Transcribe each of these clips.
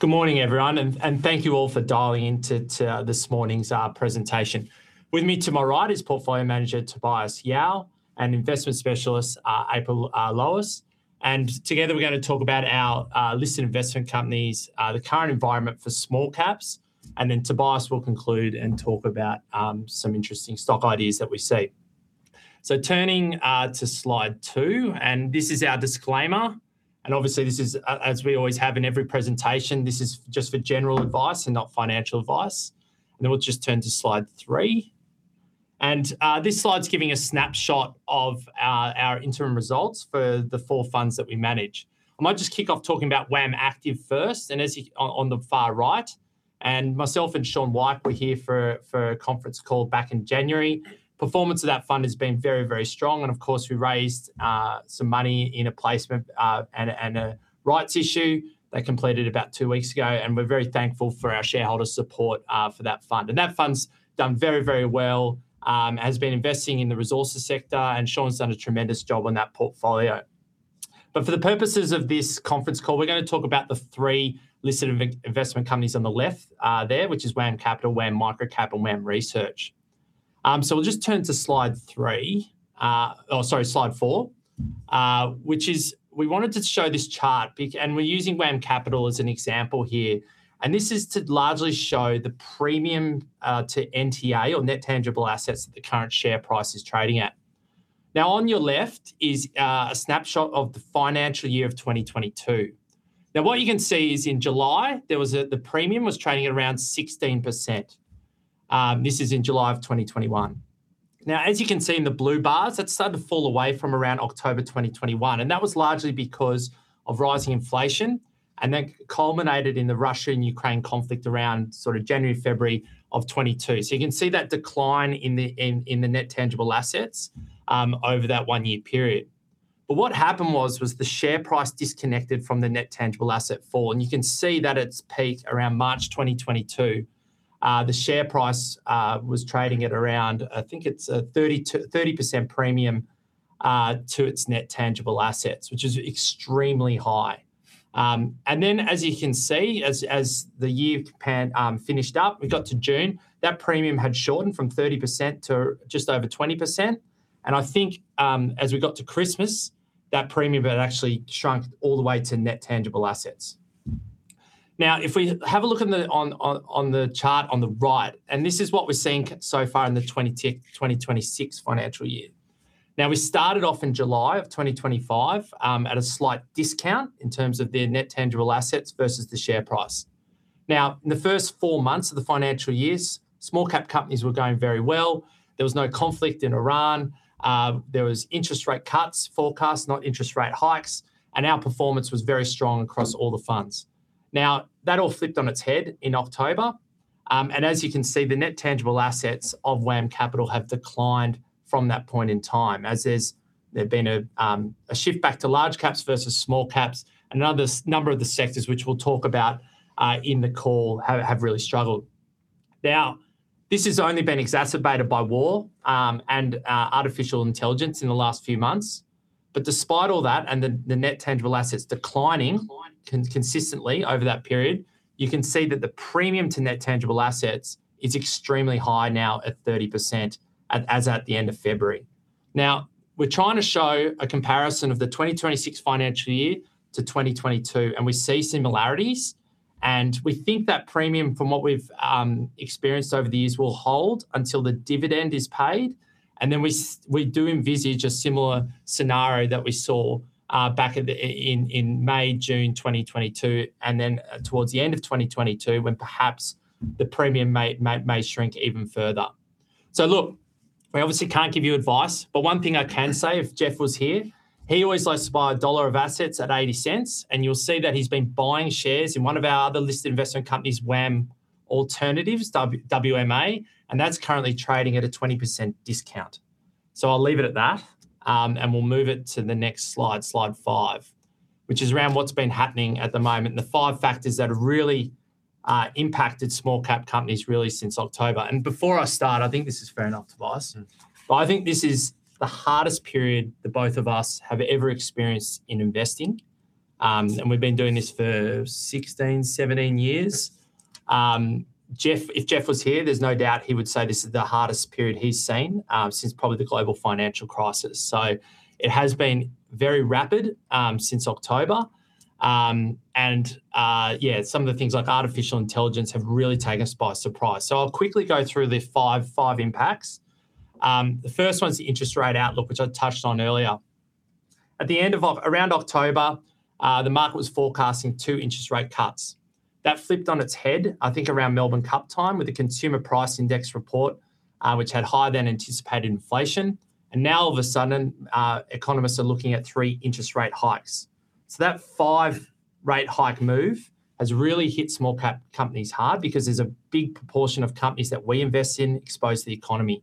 Good morning, everyone, and thank you all for dialing in to this morning's presentation. With me to my right is Portfolio Manager Tobias Yao, and Investment Specialist April Lowis. Together, we're gonna talk about our listed investment companies, the current environment for small caps, and then Tobias will conclude and talk about some interesting stock ideas that we see. Turning to slide 2, and this is our disclaimer, and obviously this is as we always have in every presentation, this is just for general advice and not financial advice. Then we'll just turn to slide 3, and this slide's giving a snapshot of our interim results for the four funds that we manage. I might just kick off talking about WAM Active first, and as you can see on the far right, and myself and Sean White were here for a conference call back in January. Performance of that fund has been very, very strong and of course we raised some money in a placement and a rights issue that completed about two weeks ago, and we're very thankful for our shareholder support for that fund. That fund's done very, very well, has been investing in the resources sector, and Sean's done a tremendous job on that portfolio. For the purposes of this conference call, we're gonna talk about the three listed investment companies on the left there, which is WAM Capital, WAM Microcap, and WAM Research. We'll just turn to slide 4, which is we wanted to show this chart and we're using WAM Capital as an example here, and this is to largely show the premium to NTA or net tangible assets that the current share price is trading at. Now, on your left is a snapshot of the financial year of 2022. Now, what you can see is in July, the premium was trading at around 16%, this is in July of 2021. Now, as you can see in the blue bars, that started to fall away from around October 2021, and that was largely because of rising inflation, and that culminated in the Russia and Ukraine conflict around sort of January, February of 2022. You can see that decline in the net tangible assets over that one-year period. What happened was the share price disconnected from the net tangible asset fall, and you can see that at its peak around March 2022. The share price was trading at around, I think it's a 30% premium to its net tangible assets, which is extremely high. Then as you can see, the year finished up, we got to June, that premium had shortened from 30% to just over 20%, and I think, as we got to Christmas, that premium had actually shrunk all the way to net tangible assets. Now, if we have a look on the chart on the right, and this is what we're seeing so far in the 2026 financial year. We started off in July of 2025 at a slight discount in terms of their net tangible assets versus the share price. In the first four months of the financial year, small cap companies were going very well. There was no conflict in Iran. There was interest rate cuts forecast, not interest rate hikes, and our performance was very strong across all the funds. That all flipped on its head in October, and as you can see, the net tangible assets of WAM Capital have declined from that point in time as there's been a shift back to large caps versus small caps. A number of the sectors which we'll talk about in the call have really struggled. Now, this has only been exacerbated by war and artificial intelligence in the last few months, but despite all that and the net tangible assets declining consistently over that period, you can see that the premium to net tangible assets is extremely high now at 30% as at the end of February. Now, we're trying to show a comparison of the 2026 financial year to 2022, and we see similarities, and we think that premium from what we've experienced over the years will hold until the dividend is paid. Then we do envisage a similar scenario that we saw back in May, June 2022, and then towards the end of 2022 when perhaps the premium may shrink even further. Look, we obviously can't give you advice, but one thing I can say if Geoff was here, he always likes to buy a dollar of assets at 0.80 and you'll see that he's been buying shares in one of our other listed investment companies, WAM Alternative Assets, WMA, and that's currently trading at a 20% discount. I'll leave it at that, and we'll move it to the next slide 5, which is around what's been happening at the moment, and the 5 factors that have really impacted small-cap companies really since October. Before I start, I think this is fair enough, Tobias. I think this is the hardest period both of us have ever experienced in investing, and we've been doing this for 16-17 years. Geoff, if Geoff was here, there's no doubt he would say this is the hardest period he's seen, since probably the global financial crisis. It has been very rapid, since October, and yeah, some of the things like artificial intelligence have really taken us by surprise. I'll quickly go through the five impacts. The first one's the interest rate outlook, which I touched on earlier. Around October, the market was forecasting two interest rate cuts. That flipped on its head, I think around Melbourne Cup time with the consumer price index report, which had higher than anticipated inflation, and now all of a sudden, economists are looking at 3 interest rate hikes. That 5 rate hike move has really hit small cap companies hard because there's a big proportion of companies that we invest in exposed to the economy.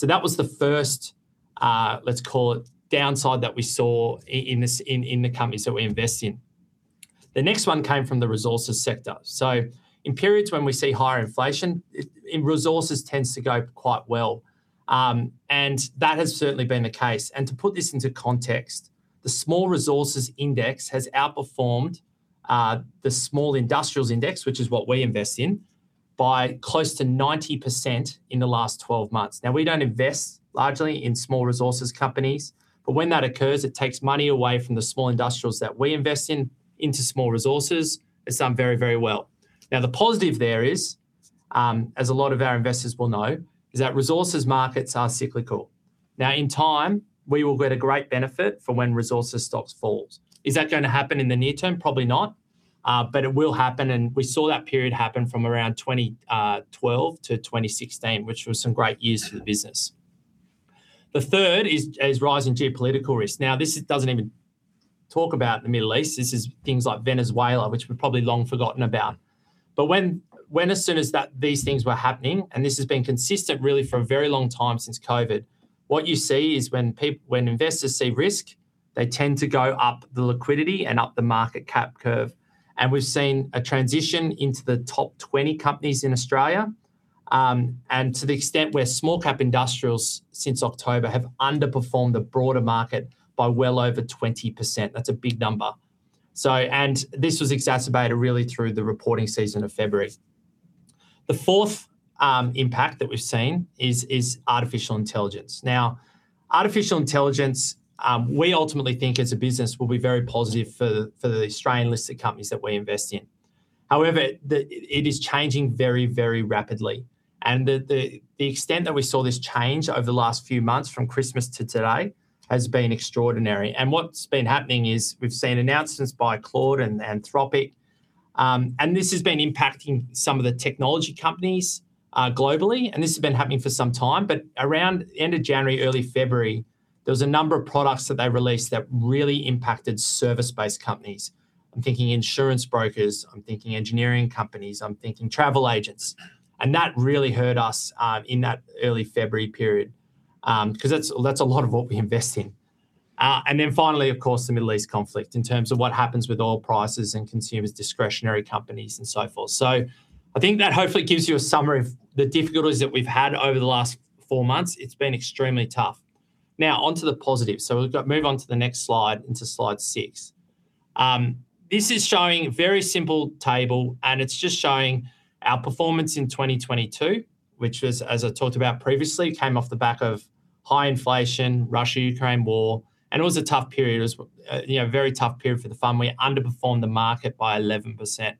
That was the first, let's call it downside that we saw in the companies that we invest in. The next one came from the resources sector. In periods when we see higher inflation, resources tends to go quite well, and that has certainly been the case. To put this into context, the Small Resources Index has outperformed the Small Industrials Index, which is what we invest in, by close to 90% in the last 12 months. Now, we don't invest largely in small resources companies, but when that occurs, it takes money away from the small industrials that we invest in into small resources. It's done very, very well. Now, the positive there is, as a lot of our investors will know, is that resources markets are cyclical. Now, in time, we will get a great benefit from when resources stocks falls. Is that gonna happen in the near term? Probably not, but it will happen, and we saw that period happen from around 2012-2016, which was some great years for the business. The third is rising geopolitical risk. Now, this doesn't even talk about the Middle East. This is things like Venezuela, which we've probably long forgotten about. But as soon as these things were happening, and this has been consistent really for a very long time since COVID, what you see is when investors see risk, they tend to go up the liquidity and up the market cap curve. We've seen a transition into the top 20 companies in Australia, and to the extent where small-cap industrials since October have underperformed the broader market by well over 20%. That's a big number. This was exacerbated really through the reporting season of February. The fourth impact that we've seen is artificial intelligence. Now, artificial intelligence we ultimately think as a business will be very positive for the Australian-listed companies that we invest in. However, it is changing very, very rapidly. The extent that we saw this change over the last few months from Christmas to today has been extraordinary. What's been happening is we've seen announcements by Claude and Anthropic, and this has been impacting some of the technology companies globally, and this has been happening for some time. Around end of January, early February, there was a number of products that they released that really impacted service-based companies. I'm thinking insurance brokers, I'm thinking engineering companies, I'm thinking travel agents. That really hurt us in that early February period, 'cause that's a lot of what we invest in. Then finally, of course, the Middle East conflict in terms of what happens with oil prices and consumer discretionary companies and so forth. I think that hopefully gives you a summary of the difficulties that we've had over the last four months. It's been extremely tough. Now, on to the positives. Move on to slide 6. This is showing very simple table, and it's just showing our performance in 2022, which was, as I talked about previously, came off the back of high inflation, Russia-Ukraine war, and it was a tough period. It was a tough period. It was very tough period for the firm. We underperformed the market by 11%.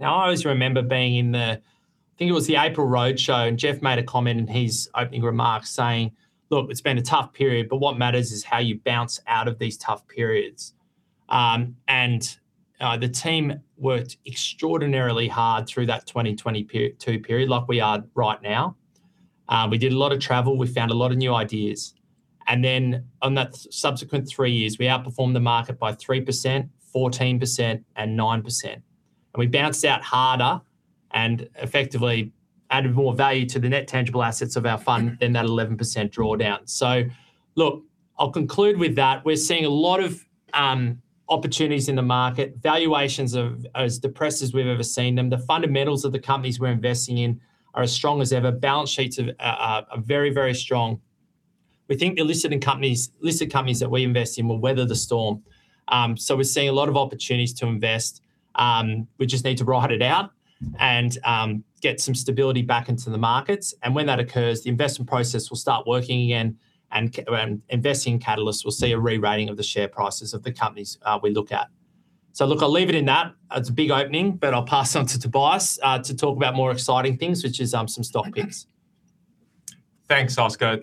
Now, I always remember being in the, I think it was the April roadshow, and Geoff made a comment in his opening remarks saying, "Look, it's been a tough period, but what matters is how you bounce out of these tough periods." The team worked extraordinarily hard through that 2022 period like we are right now. We did a lot of travel, we found a lot of new ideas. Then on that subsequent three years, we outperformed the market by 3%, 14%, and 9%. We bounced out harder and effectively added more value to the net tangible assets of our fund than that 11% drawdown. Look, I'll conclude with that. We're seeing a lot of opportunities in the market, valuations are as depressed as we've ever seen them. The fundamentals of the companies we're investing in are as strong as ever. Balance sheets are very strong. We think the listed companies that we invest in will weather the storm. We're seeing a lot of opportunities to invest. We just need to ride it out and get some stability back into the markets. When that occurs, the investment process will start working again, and investing catalysts will see a rerating of the share prices of the companies we look at. Look, I'll leave it at that. It's a big opening, but I'll pass on to Tobias to talk about more exciting things, which is some stock picks. Thanks, Oscar.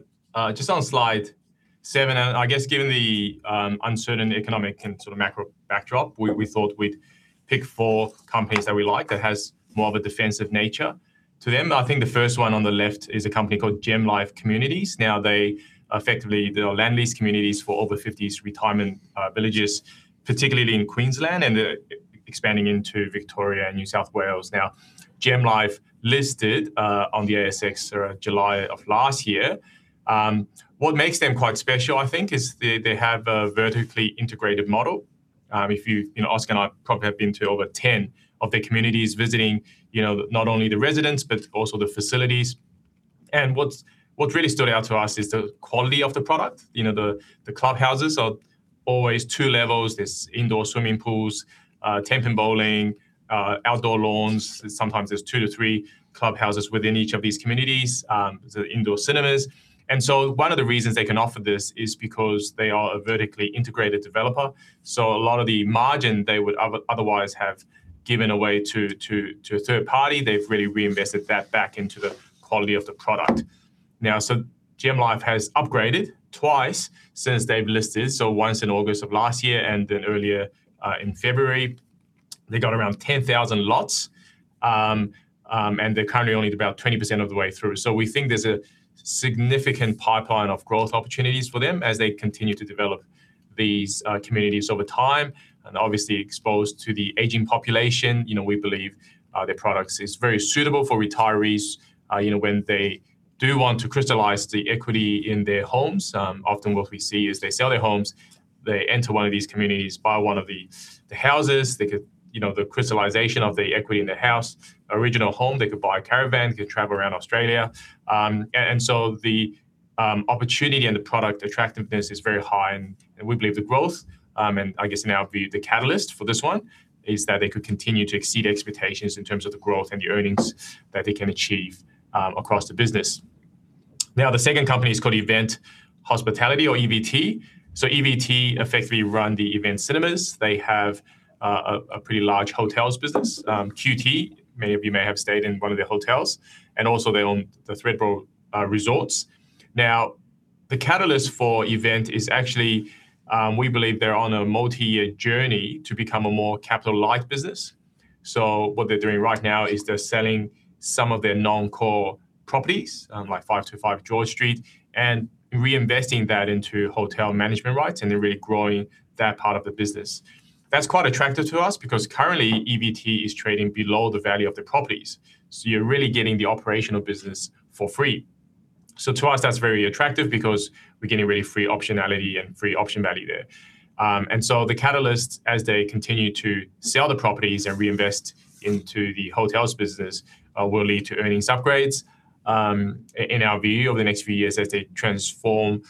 Just on slide 7, and I guess given the uncertain economic and sort of macro backdrop, we thought we'd pick four companies that we like that has more of a defensive nature to them. I think the first one on the left is a company called GemLife. They effectively are land lease communities for over fifties retirement villages, particularly in Queensland, and they're expanding into Victoria and New South Wales. GemLife listed on the ASX around July of last year. What makes them quite special, I think, is they have a vertically integrated model. If you know, Oscar and I probably have been to over 10 of their communities, visiting, you know, not only the residents, but also the facilities. What's really stood out to us is the quality of the product. You know, the clubhouses are always two levels. There's indoor swimming pools, ten-pin bowling, outdoor lawns. Sometimes there's 2-3 clubhouses within each of these communities, so indoor cinemas. One of the reasons they can offer this is because they are a vertically integrated developer, so a lot of the margin they would otherwise have given away to a third party, they've really reinvested that back into the quality of the product. Now, GemLife has upgraded twice since they've listed, once in August of last year and then earlier in February. They've got around 10,000 lots, and they're currently only about 20% of the way through. We think there's a significant pipeline of growth opportunities for them as they continue to develop these communities over time, and obviously exposed to the aging population. You know, we believe their products is very suitable for retirees, you know, when they do want to crystallize the equity in their homes. Often what we see is they sell their homes, they enter one of these communities, buy one of the houses. They could, you know, the crystallization of the equity in their house, original home, they could buy a caravan, they could travel around Australia. Opportunity and the product attractiveness is very high, and we believe the growth, and I guess now the catalyst for this one is that they could continue to exceed expectations in terms of the growth and the earnings that they can achieve, across the business. Now, the second company is called Event Hospitality or EVT. EVT effectively run the Event Cinemas. They have a pretty large hotels business, QT, many of you may have stayed in one of their hotels, and also they own Thredbo Resorts. Now, the catalyst for Event is actually, we believe they're on a multi-year journey to become a more capital light business. What they're doing right now is they're selling some of their non-core properties, like 525 George Street, and reinvesting that into hotel management rights, and they're really growing that part of the business. That's quite attractive to us because currently EVT is trading below the value of their properties, so you're really getting the operational business for free. To us that's very attractive because we're getting really free optionality and free option value there. The catalyst, as they continue to sell the properties and reinvest into the hotels business, will lead to earnings upgrades, in our view, over the next few years as they transform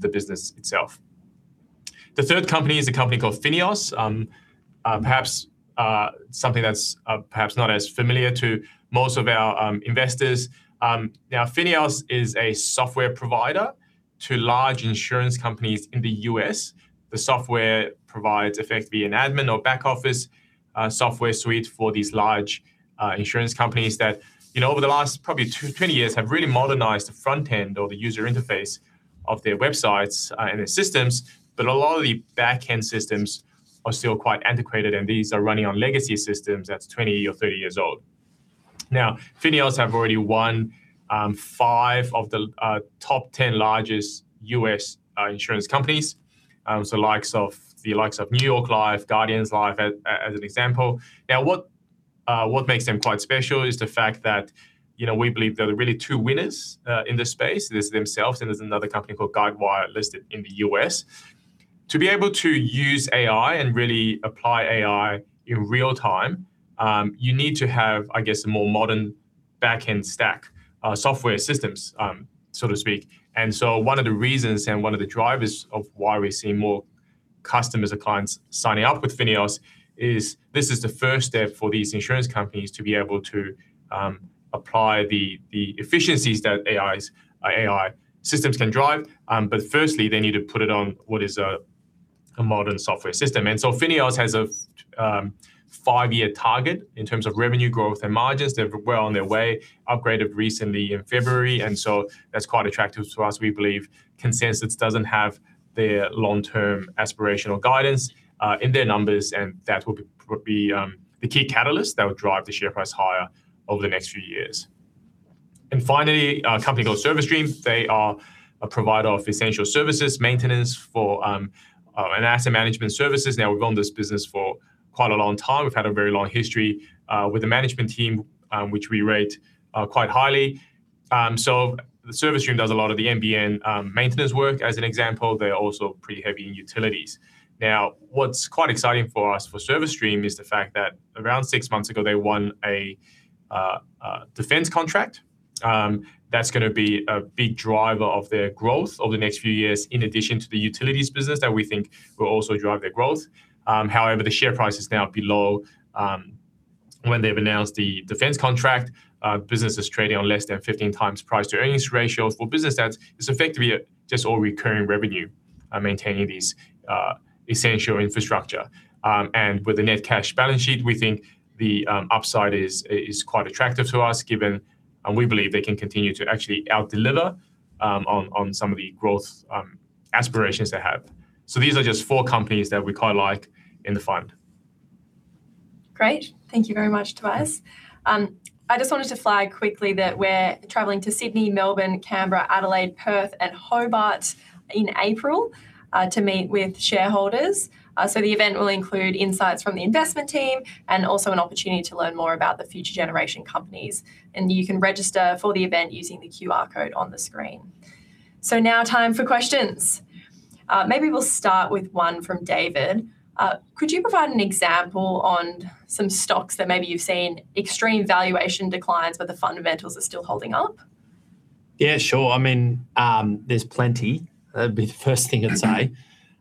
the business itself. The third company is a company called FINEOS, perhaps not as familiar to most of our investors. Now, FINEOS is a software provider to large insurance companies in the U.S.. The software provides effectively an admin or back office software suite for these large insurance companies that, you know, over the last probably 20 years have really modernized the front end or the user interface of their websites and their systems, but a lot of the back-end systems are still quite antiquated, and these are running on legacy systems that's 20 or 30 years old. Now, FINEOS have already won 5 of the top 10 largest U.S. insurance companies, so the likes of New York Life, Guardian Life as an example. What makes them quite special is the fact that, you know, we believe there are really two winners in this space. There's themselves, and there's another company called Guidewire listed in the U.S.. To be able to use AI and really apply AI in real-time, you need to have, I guess, a more modern back-end stack, software systems, so to speak. One of the reasons and one of the drivers of why we're seeing more customers or clients signing up with FINEOS is this is the first step for these insurance companies to be able to apply the efficiencies that AI systems can drive. Firstly, they need to put it on what is a modern software system. FINEOS has a five-year target in terms of revenue growth and margins. They're well on their way, upgraded recently in February, and so that's quite attractive to us. We believe consensus doesn't have their long-term aspirational guidance in their numbers, and that will be probably the key catalyst that would drive the share price higher over the next few years. Finally, a company called Service Stream. They are a provider of essential services, maintenance, and asset management services. Now we've owned this business for quite a long time. We've had a very long history with the management team, which we rate quite highly. Service Stream does a lot of the NBN maintenance work as an example. They're also pretty heavy in utilities. Now, what's quite exciting for us for Service Stream is the fact that around six months ago, they won a defense contract. That's gonna be a big driver of their growth over the next few years, in addition to the utilities business that we think will also drive their growth. However, the share price is now below when they've announced the defense contract. Business is trading on less than 15 times price-to-earnings ratio for a business that's effectively just all recurring revenue, maintaining these essential infrastructure. With the net cash balance sheet, we think the upside is quite attractive to us given and we believe they can continue to actually out-deliver on some of the growth aspirations they have. These are just four companies that we quite like in the fund. Great. Thank you very much, Tobias. I just wanted to flag quickly that we're traveling to Sydney, Melbourne, Canberra, Adelaide, Perth, and Hobart in April to meet with shareholders. The event will include insights from the investment team and also an opportunity to learn more about the Future Generation companies. You can register for the event using the QR code on the screen. Now time for questions. Maybe we'll start with one from David. "Could you provide an example on some stocks that maybe you've seen extreme valuation declines, but the fundamentals are still holding up?" Yeah, sure. I mean, there's plenty. That'd be the first thing I'd say.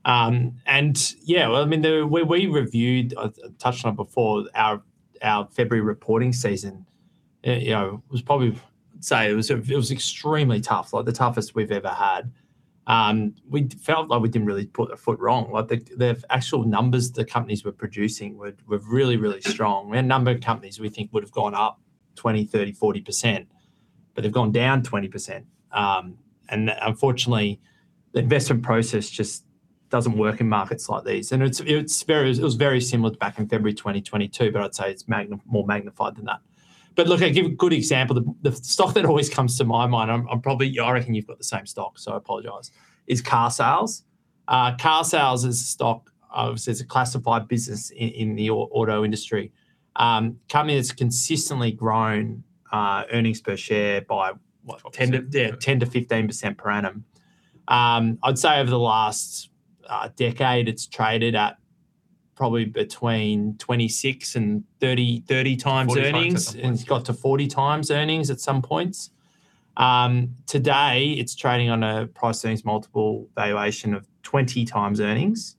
And yeah. I mean, we reviewed, touched on it before our February reporting season. You know, it was probably, say, it was extremely tough, like the toughest we've ever had. We felt like we didn't really put a foot wrong. Like the actual numbers the companies were producing were really strong. We had a number of companies we think would have gone up 20%, 30%, 40%, but they've gone down 20%. Unfortunately, the investment process just doesn't work in markets like these. It was very similar back in February 2022, but I'd say it's more magnified than that. Look, I'll give a good example. The stock that always comes to my mind. I reckon you've got the same stock, so I apologize, is Carsales. Carsales is a stock, obviously it's a classified business in the auto industry. Company has consistently grown earnings per share by 10%-15% per annum. I'd say over the last decade, it's traded at probably between 26 and 30 times earnings. 40 times at some points. It got to 40 times earnings at some points. Today it's trading on a price earnings multiple valuation of 20 times earnings,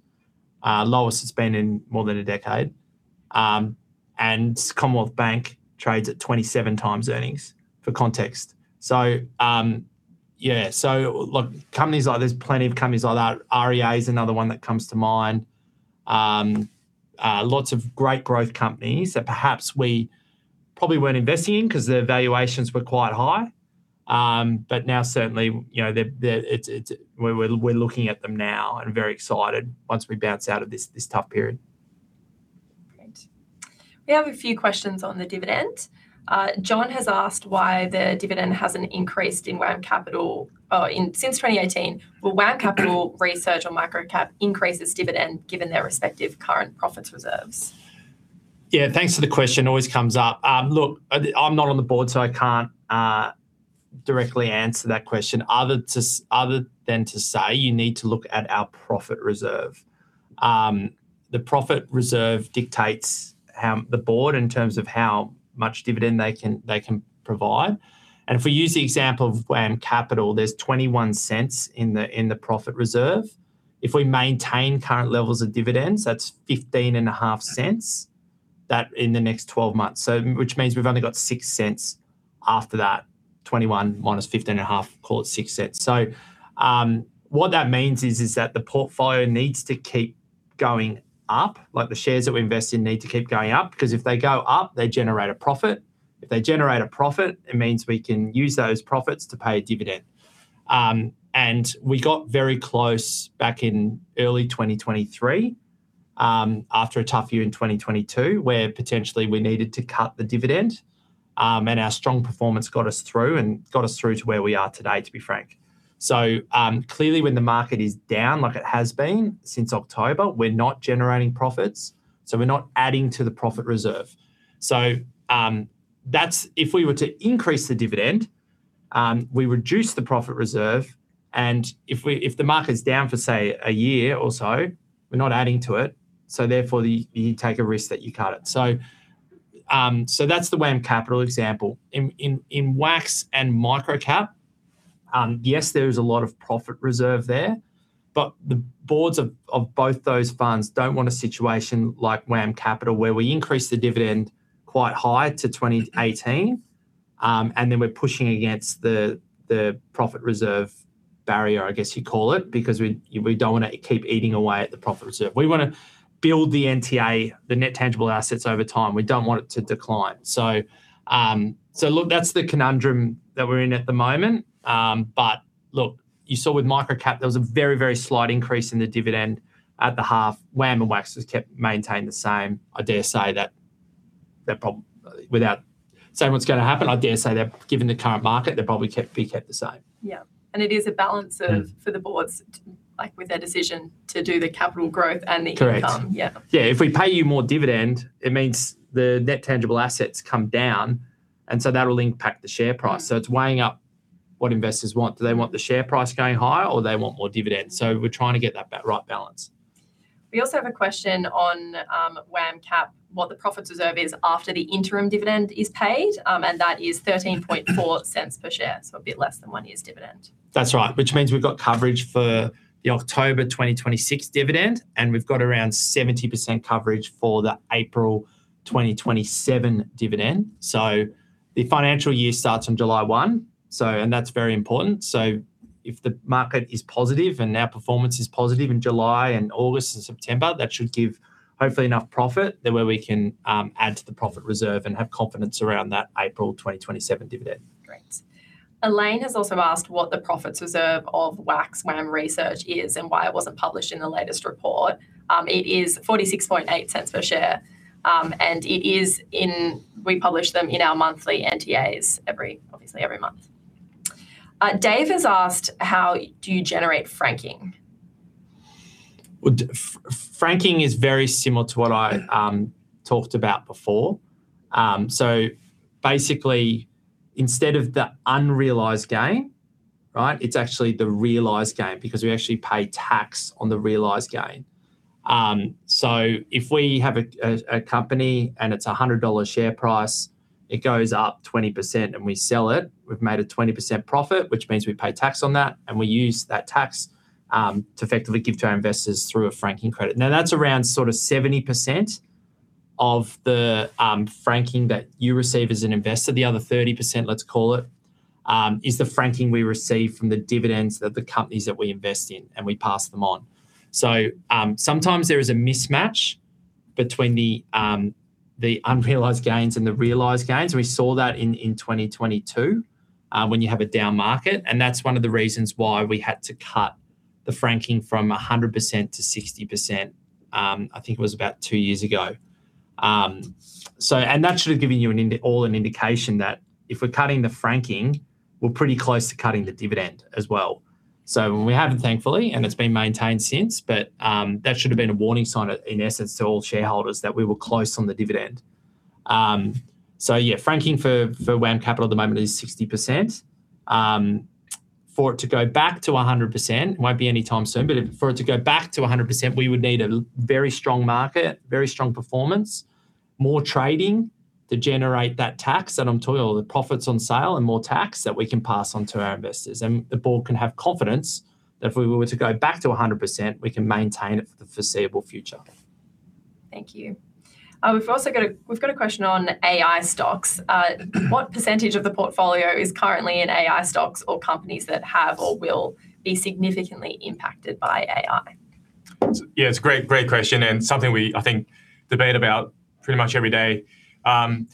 lowest it's been in more than a decade. Commonwealth Bank trades at 27 times earnings, for context. Yeah. Look, companies like that. There's plenty of companies like that. REA is another one that comes to mind. Lots of great growth companies that perhaps we probably weren't investing in because their valuations were quite high. But now certainly, you know, we're looking at them now and very excited once we bounce out of this tough period. Great. We have a few questions on the dividend. John has asked why the dividend hasn't increased in WAM Capital since 2018, but WAM Research or WAM Microcap increases dividend given their respective current profits reserves? Yeah. Thanks for the question, always comes up. Look, I'm not on the Board, so I can't directly answer that question other than to say you need to look at our profit reserve. The profit reserve dictates how the Board, in terms of how much dividend they can provide. If we use the example of WAM Capital, there's 0.21 in the profit reserve. If we maintain current levels of dividends, that's 0.155 in the next 12 months, which means we've only got 0.06 after that. 0.21 minus 0.155, call it 0.06. What that means is that the portfolio needs to keep going up. Like, the shares that we invest in need to keep going up, 'cause if they go up, they generate a profit. If they generate a profit, it means we can use those profits to pay a dividend. We got very close back in early 2023, after a tough year in 2022, where potentially we needed to cut the dividend, and our strong performance got us through to where we are today, to be frank. Clearly, when the market is down like it has been since October, we're not generating profits, so we're not adding to the profit reserve. That's if we were to increase the dividend, we reduce the profit reserve, and if the market is down for, say, a year or so, we're not adding to it, so therefore you take a risk that you cut it. That's the WAM Capital example. WAX and WAM Microcap, yes, there is a lot of profit reserve there. The Boards of both those funds don't want a situation like WAM Capital, where we increase the dividend quite high to 2018, and then we're pushing against the profit reserve barrier, I guess you'd call it, because we don't want to keep eating away at the profit reserve. We wanna build the NTA, the net tangible assets over time. We don't want it to decline. Look, that's the conundrum that we're in at the moment. Look, you saw with WAM Microcap, there was a very slight increase in the dividend at the half. WAM and WAX has kept maintained the same. Without saying what's gonna happen, I dare say that given the current market, they're probably gonna be kept the same. Yeah. It is a balance of for the Boards, like, with their decision to do the capital growth and the income. Correct. Yeah, if we pay you more dividend, it means the net tangible assets come down, and so that'll impact the share price. It's weighing up what investors want. Do they want the share price going higher or they want more dividends? We're trying to get that right balance. We also have a question on WAM Capital, what the profit reserve is after the interim dividend is paid, and that is 0.134 per share, so a bit less than one year's dividend. That's right. Which means we've got coverage for the October 2026 dividend, and we've got around 70% coverage for the April 2027 dividend. The financial year starts on July 1st, and that's very important. If the market is positive and our performance is positive in July and August and September, that should give hopefully enough profit where we can add to the profit reserve and have confidence around that April 2027 dividend. Great. Elaine has also asked what the profits reserve of WAX WAM Research is and why it wasn't published in the latest report. It is 0.468 per share, and we publish them in our monthly NTAs every month, obviously. Dave has asked, "How do you generate franking?" Well, franking is very similar to what I talked about before. Basically instead of the unrealized gain, right, it's actually the realized gain because we actually pay tax on the realized gain. If we have a company and it's a 100 dollar share price, it goes up 20% and we sell it, we've made a 20% profit, which means we pay tax on that, and we use that tax to effectively give to our investors through a franking credit. Now, that's around sort of 70% of the franking that you receive as an investor. The other 30%, let's call it, is the franking we receive from the dividends that the companies that we invest in, and we pass them on. Sometimes there is a mismatch between the unrealized gains and the realized gains. We saw that in 2022, when you have a down market, and that's one of the reasons why we had to cut the franking from 100%-60%, I think it was about two years ago. That should have given you an indication that if we're cutting the franking, we're pretty close to cutting the dividend as well. We haven't thankfully, and it's been maintained since. That should have been a warning sign in essence to all shareholders that we were close on the dividend. Yeah, franking for WAM Capital at the moment is 60%. For it to go back to 100%, it won't be anytime soon, but we would need a very strong market, very strong performance, more trading to generate that tax that I'm talking about or the profits on sale and more tax that we can pass on to our investors. The Board can have confidence that if we were to go back to 100%, we can maintain it for the foreseeable future. Thank you. We've also got a question on AI stocks. What percentage of the portfolio is currently in AI stocks or companies that have or will be significantly impacted by AI? Yeah, it's a great question, and something we, I think, debate about pretty much every day. I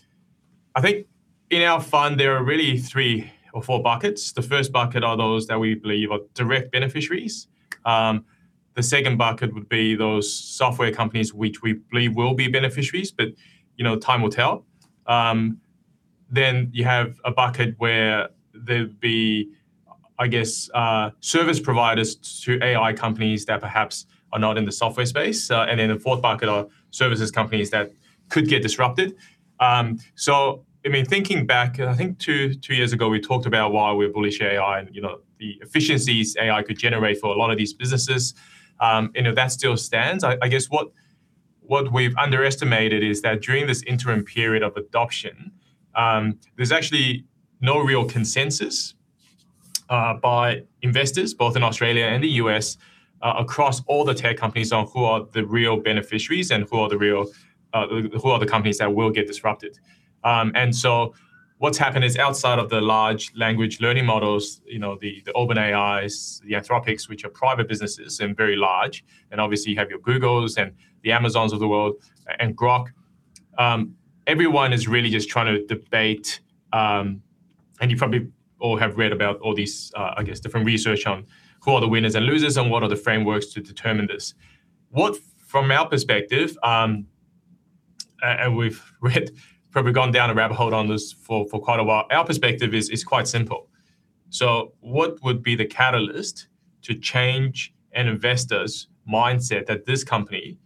think in our fund, there are really three or four buckets. The first bucket are those that we believe are direct beneficiaries. The second bucket would be those software companies which we believe will be beneficiaries, but, you know, time will tell. You have a bucket where there'd be, I guess, service providers to AI companies that perhaps are not in the software space. In the fourth bucket are services companies that could get disrupted. I mean, thinking back, I think two years ago, we talked about why we're bullish AI and, you know, the efficiencies AI could generate for a lot of these businesses. That still stands. I guess what we've underestimated is that during this interim period of adoption, there's actually no real consensus by investors, both in Australia and the U.S., across all the tech companies on who are the real beneficiaries and who are the companies that will get disrupted. What's happened is, outside of the large language models, you know, the OpenAIs, the Anthropics, which are private businesses and very large, and obviously you have your Googles and the Amazons of the world and Groq, everyone is really just trying to debate, and you probably all have read about all these, I guess different research on who are the winners and losers and what are the frameworks to determine this. From our perspective, we've probably gone down a rabbit hole on this for quite a while. Our perspective is quite simple. What would be the catalyst to change an investor's mindset that this company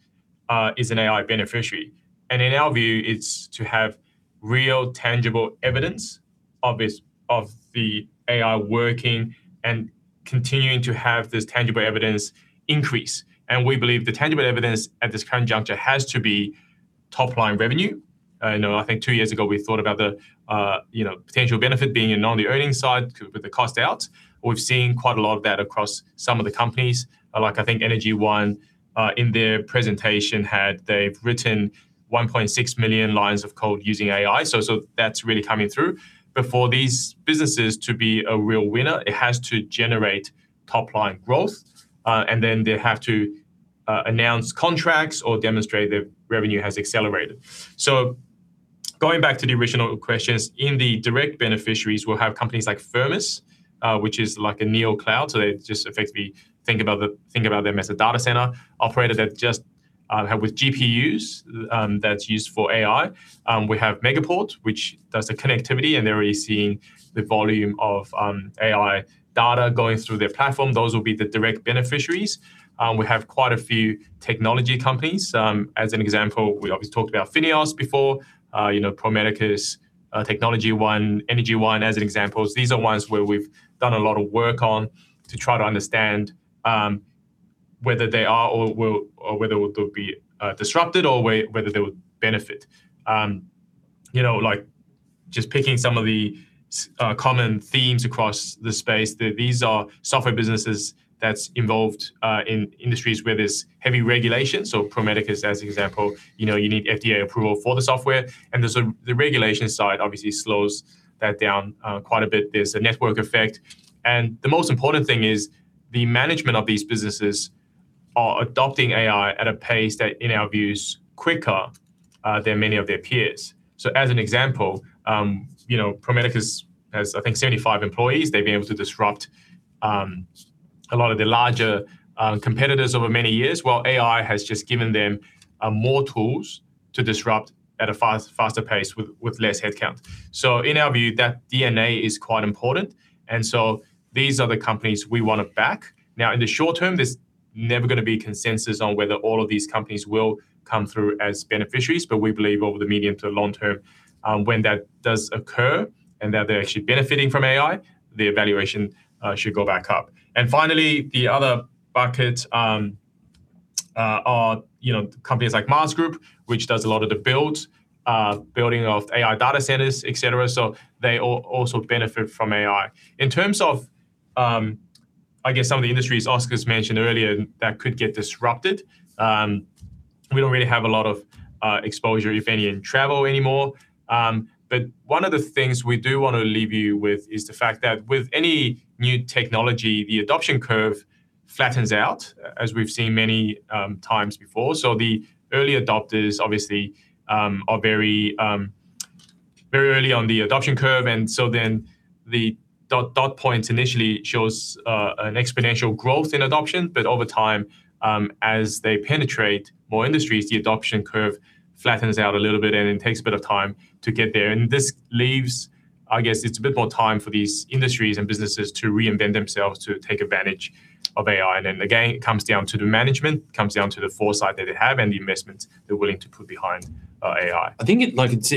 is an AI beneficiary? In our view, it's to have real tangible evidence of this, of the AI working and continuing to have this tangible evidence increase. We believe the tangible evidence at this current juncture has to be top-line revenue. I know, I think two years ago we thought about the, you know, potential benefit being on the earnings side with the cost out. We've seen quite a lot of that across some of the companies. Like, I think Energy One in their presentation had they've written 1.6 million lines of code using AI, so that's really coming through. For these businesses to be a real winner, it has to generate top-line growth, and then they have to announce contracts or demonstrate their revenue has accelerated. Going back to the original questions, in the direct beneficiaries, we'll have companies like Firmus, which is like a neocloud, so they just effectively think about them as a data center operator that just help with GPUs, that's used for AI. We have Megaport, which does the connectivity, and they're already seeing the volume of AI data going through their platform. Those will be the direct beneficiaries. We have quite a few technology companies. As an example, we obviously talked about FINEOS before. You know, Pro Medicus, TechnologyOne, Energy One, as examples. These are ones where we've done a lot of work on to try to understand whether they are or will be disrupted or whether they would benefit. You know, like just picking some of the common themes across the space. These are software businesses that's involved in industries where there's heavy regulation. Pro Medicus, as example, you know, you need FDA approval for the software, and the regulation side obviously slows that down quite a bit. There's a network effect, and the most important thing is the management of these businesses are adopting AI at a pace that, in our views, quicker than many of their peers. As an example, you know, Pro Medicus has, I think, 75 employees. They've been able to disrupt a lot of the larger competitors over many years, while AI has just given them more tools to disrupt at a faster pace with less headcount. In our view, that DNA is quite important, and so these are the companies we wanna back. Now, in the short term, there's never gonna be consensus on whether all of these companies will come through as beneficiaries, but we believe over the medium to long term, when that does occur and that they're actually benefiting from AI, the valuation should go back up. Finally, the other bucket are companies like Maas Group, which does a lot of the building of AI data centers, etc. They also benefit from AI. In terms of, I guess some of the industries Oscar's mentioned earlier that could get disrupted, we don't really have a lot of exposure, if any, in travel anymore. But one of the things we do wanna leave you with is the fact that with any new technology, the adoption curve flattens out as we've seen many times before. The early adopters obviously are very early on the adoption curve, and so then the dot points initially shows an exponential growth in adoption. But over time, as they penetrate more industries, the adoption curve flattens out a little bit and it takes a bit of time to get there. This leaves, I guess, it's a bit more time for these industries and businesses to reinvent themselves to take advantage of AI. It comes down to the management, it comes down to the foresight that they have and the investments they're willing to put behind AI. Like it's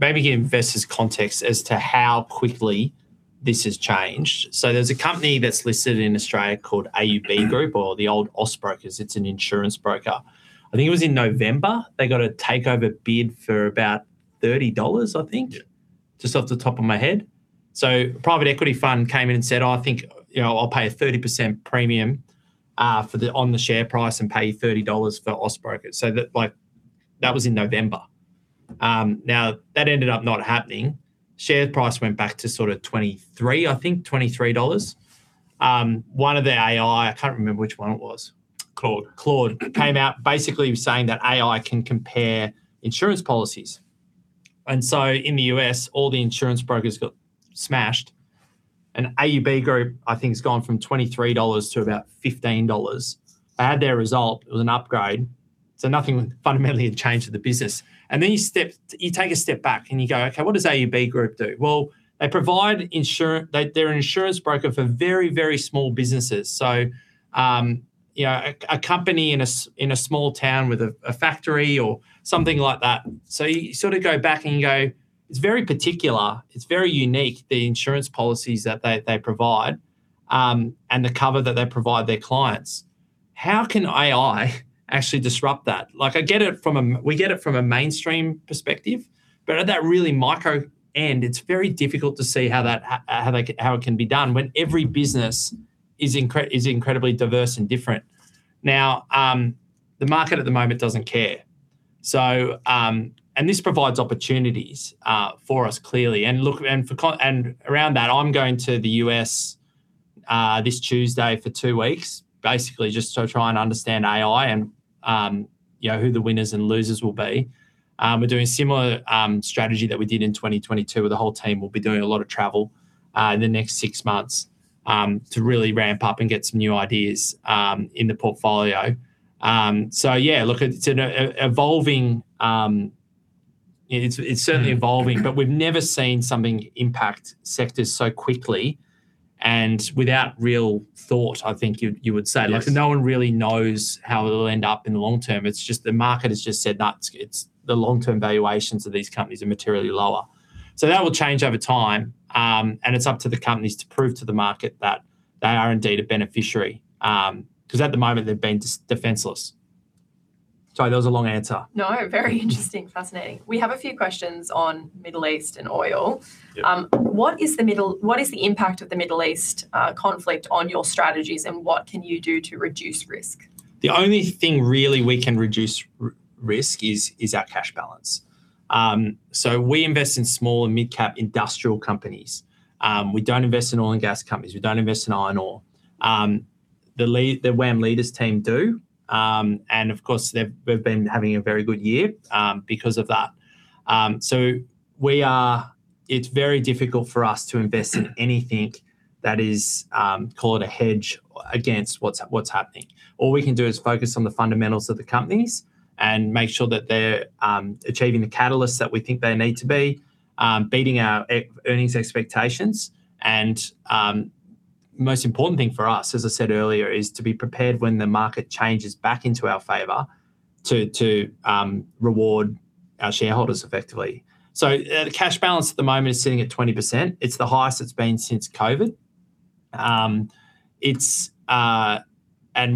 maybe give investors context as to how quickly this has changed. There's a company that's listed in Australia called AUB Group or the old AUB Group. It's an insurance broker. I think it was in November, they got a takeover bid for about 30 dollars, I think, just off the top of my head. A private equity fund came in and said, "I think, you know, I'll pay a 30% premium on the share price and pay you 30 dollars for AUB Group." That like that was in November. Now that ended up not happening. Share price went back to sort of 23, I think, 23 dollars. One of the AI, I can't remember which one it was. Claude? Claude came out basically saying that AI can compare insurance policies. In the U.S., all the insurance brokers got smashed, and AUB Group, I think, has gone from 23 dollars to about 15 dollars. They had their result, it was an upgrade, so nothing fundamentally had changed with the business. You step, you take a step back and you go, "Okay, what does AUB Group do?" Well, they're an insurance broker for very, very small businesses. Yeah, a company in a small town with a factory or something like that. You sort of go back and you go, it's very particular, it's very unique, the insurance policies that they provide, and the cover that they provide their clients. How can AI actually disrupt that? Like I get it from a. We get it from a mainstream perspective, but at that really micro end, it's very difficult to see how that, how they can, how it can be done when every business is incredibly diverse and different. Now, the market at the moment doesn't care. This provides opportunities for us, clearly. Around that, I'm going to the U.S. this Tuesday for two weeks, basically just to try and understand AI and, you know, who the winners and losers will be. We're doing similar strategy that we did in 2022, where the whole team will be doing a lot of travel in the next six months to really ramp up and get some new ideas in the portfolio. So look, it's evolving. It's certainly evolving, but we've never seen something impact sectors so quickly and without real thought. I think you would say like no one really knows how it'll end up in the long term. It's just the market has just said, "Nah, it's the long-term valuations of these companies are materially lower." That will change over time, and it's up to the companies to prove to the market that they are indeed a beneficiary. 'Cause at the moment they've been defenseless. Sorry, that was a long answer. No, very interesting. Fascinating. We have a few questions on Middle East and oil. "What is the impact of the Middle East conflict on your strategies, and what can you do to reduce risk?" The only thing really we can reduce risk is our cash balance. We invest in small and mid-cap industrial companies. We don't invest in oil and gas companies. We don't invest in iron ore. The WAM Leaders team do, and of course, we've been having a very good year because of that. It's very difficult for us to invest in anything that is call it a hedge against what's happening. All we can do is focus on the fundamentals of the companies and make sure that they're achieving the catalysts that we think they need to be beating our earnings expectations. Most important thing for us, as I said earlier, is to be prepared when the market changes back into our favor to reward our shareholders effectively. The cash balance at the moment is sitting at 20%. It's the highest it's been since COVID.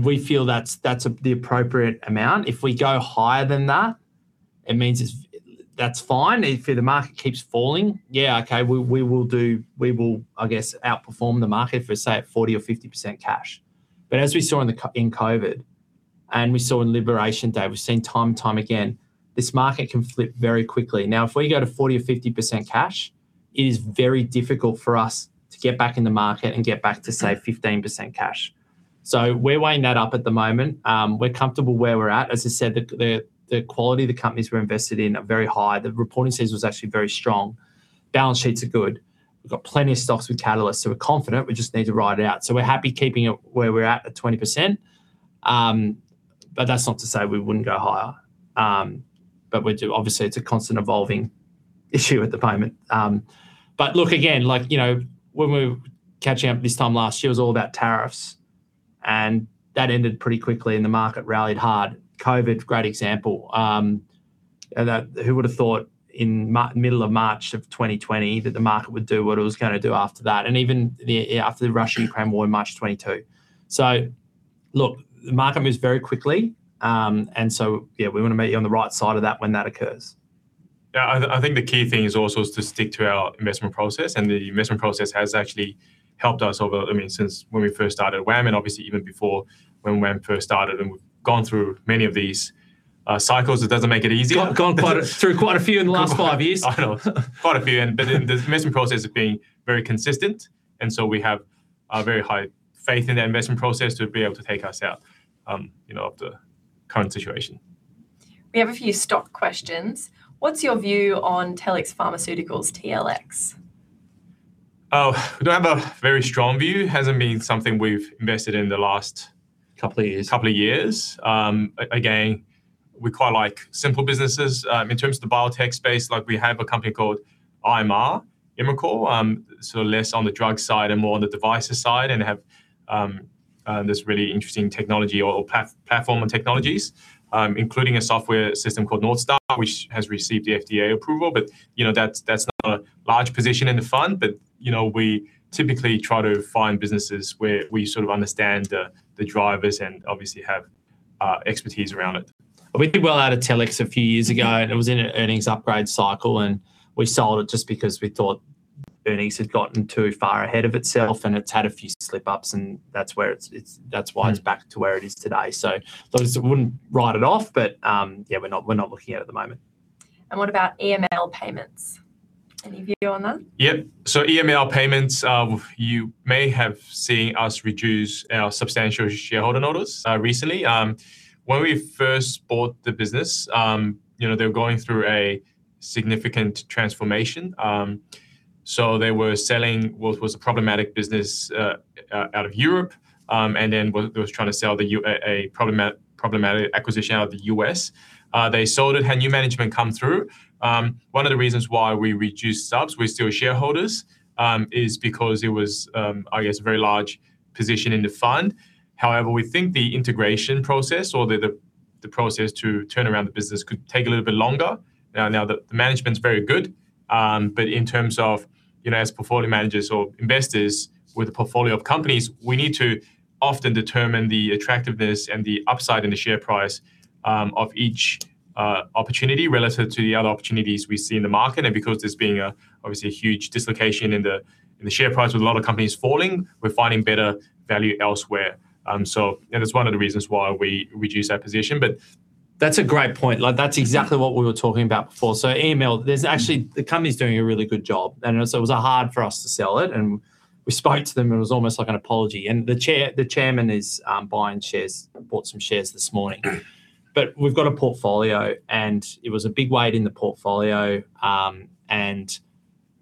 We feel that's the appropriate amount. If we go higher than that, it means it's... That's fine. If the market keeps falling, yeah, okay, we will outperform the market if we're, say, at 40% or 50% cash. But as we saw in COVID, and we saw on Liberation Day, we've seen time and time again, this market can flip very quickly. Now, if we go to 40% or 50% cash, it is very difficult for us to get back in the market and get back to, say, 15% cash. We're weighing that up at the moment. We're comfortable where we're at. As I said, the quality of the companies we're invested in are very high. The reporting season was actually very strong. Balance sheets are good. We've got plenty of stocks with catalysts, so we're confident we just need to ride it out. We're happy keeping it where we're at 20%. But that's not to say we wouldn't go higher. But we do. Obviously, it's a constant evolving issue at the moment. But look again, like, you know, when we're catching up this time last year, it was all about tariffs, and that ended pretty quickly and the market rallied hard. COVID, great example. That, who would have thought in middle of March of 2020 that the market would do what it was gonna do after that? Even after the Russia and Ukraine war in March 2022. Look, the market moves very quickly. Yeah, we wanna be on the right side of that when that occurs. I think the key thing is also to stick to our investment process, and the investment process has actually helped us over, I mean, since when we first started WAM, and obviously even before when WAM first started, and we've gone through many of these cycles. It doesn't make it easier. Gone through quite a few in the last five years. I know. Quite a few. The investment process has been very consistent, and so we have a very high faith in the investment process to be able to take us out, you know, of the current situation. We have a few stock questions. "What's your view on Telix Pharmaceuticals, TLX?" Oh, we don't have a very strong view. Hasn't been something we've invested in the last- Couple of years. Couple of years. Again, we quite like simple businesses. In terms of the biotech space, like we have a company called Imricor. So less on the drug side and more on the devices side and have this really interesting technology or platform and technologies, including a software system called NorthStar, which has received the FDA approval. You know, that's not a large position in the fund. You know, we typically try to find businesses where we sort of understand the drivers and obviously have expertise around it. We did well out of Telix a few years ago, and it was in an earnings upgrade cycle, and we sold it just because we thought earnings had gotten too far ahead of itself, and it's had a few slipups, and that's where it's. That's why it's back to where it is today. Those, wouldn't write it off, but yeah, we're not looking at it at the moment. What about EML Payments? Any view on that? Yep. EML Payments, you may have seen us reduce our substantial shareholder notice recently. When we first bought the business, you know, they were going through a significant transformation. They were selling what was a problematic business out of Europe, and then trying to sell a problematic acquisition out of the U.S.. They sold it, had new management come through. One of the reasons why we reduced subs, we're still shareholders, is because it was, I guess, a very large position in the fund. However, we think the integration process or the process to turn around the business could take a little bit longer. Now the management's very good, but in terms of, you know, as portfolio managers or investors with a portfolio of companies, we need to often determine the attractiveness and the upside in the share price of each opportunity relative to the other opportunities we see in the market. Because there's been obviously a huge dislocation in the share price with a lot of companies falling, we're finding better value elsewhere. It's one of the reasons why we reduced our position, but- That's a great point. Like that's exactly what we were talking about before. EML, there's actually the company's doing a really good job, and it was hard for us to sell it, and we spoke to them, and it was almost like an apology. The chair, the chairman is buying shares. Bought some shares this morning. We've got a portfolio, and it was a big weight in the portfolio, and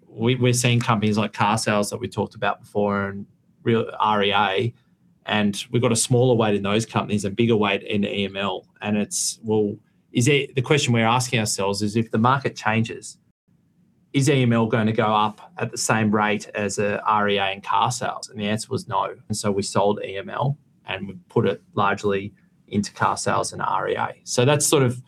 we're seeing companies like Carsales that we talked about before and REA, and we've got a smaller weight in those companies, a bigger weight in EML, and it's the question we're asking ourselves is, if the market changes, is EML gonna go up at the same rate as REA and Carsales? The answer was no. We sold EML, and we put it largely into Carsales and REA. That's sort of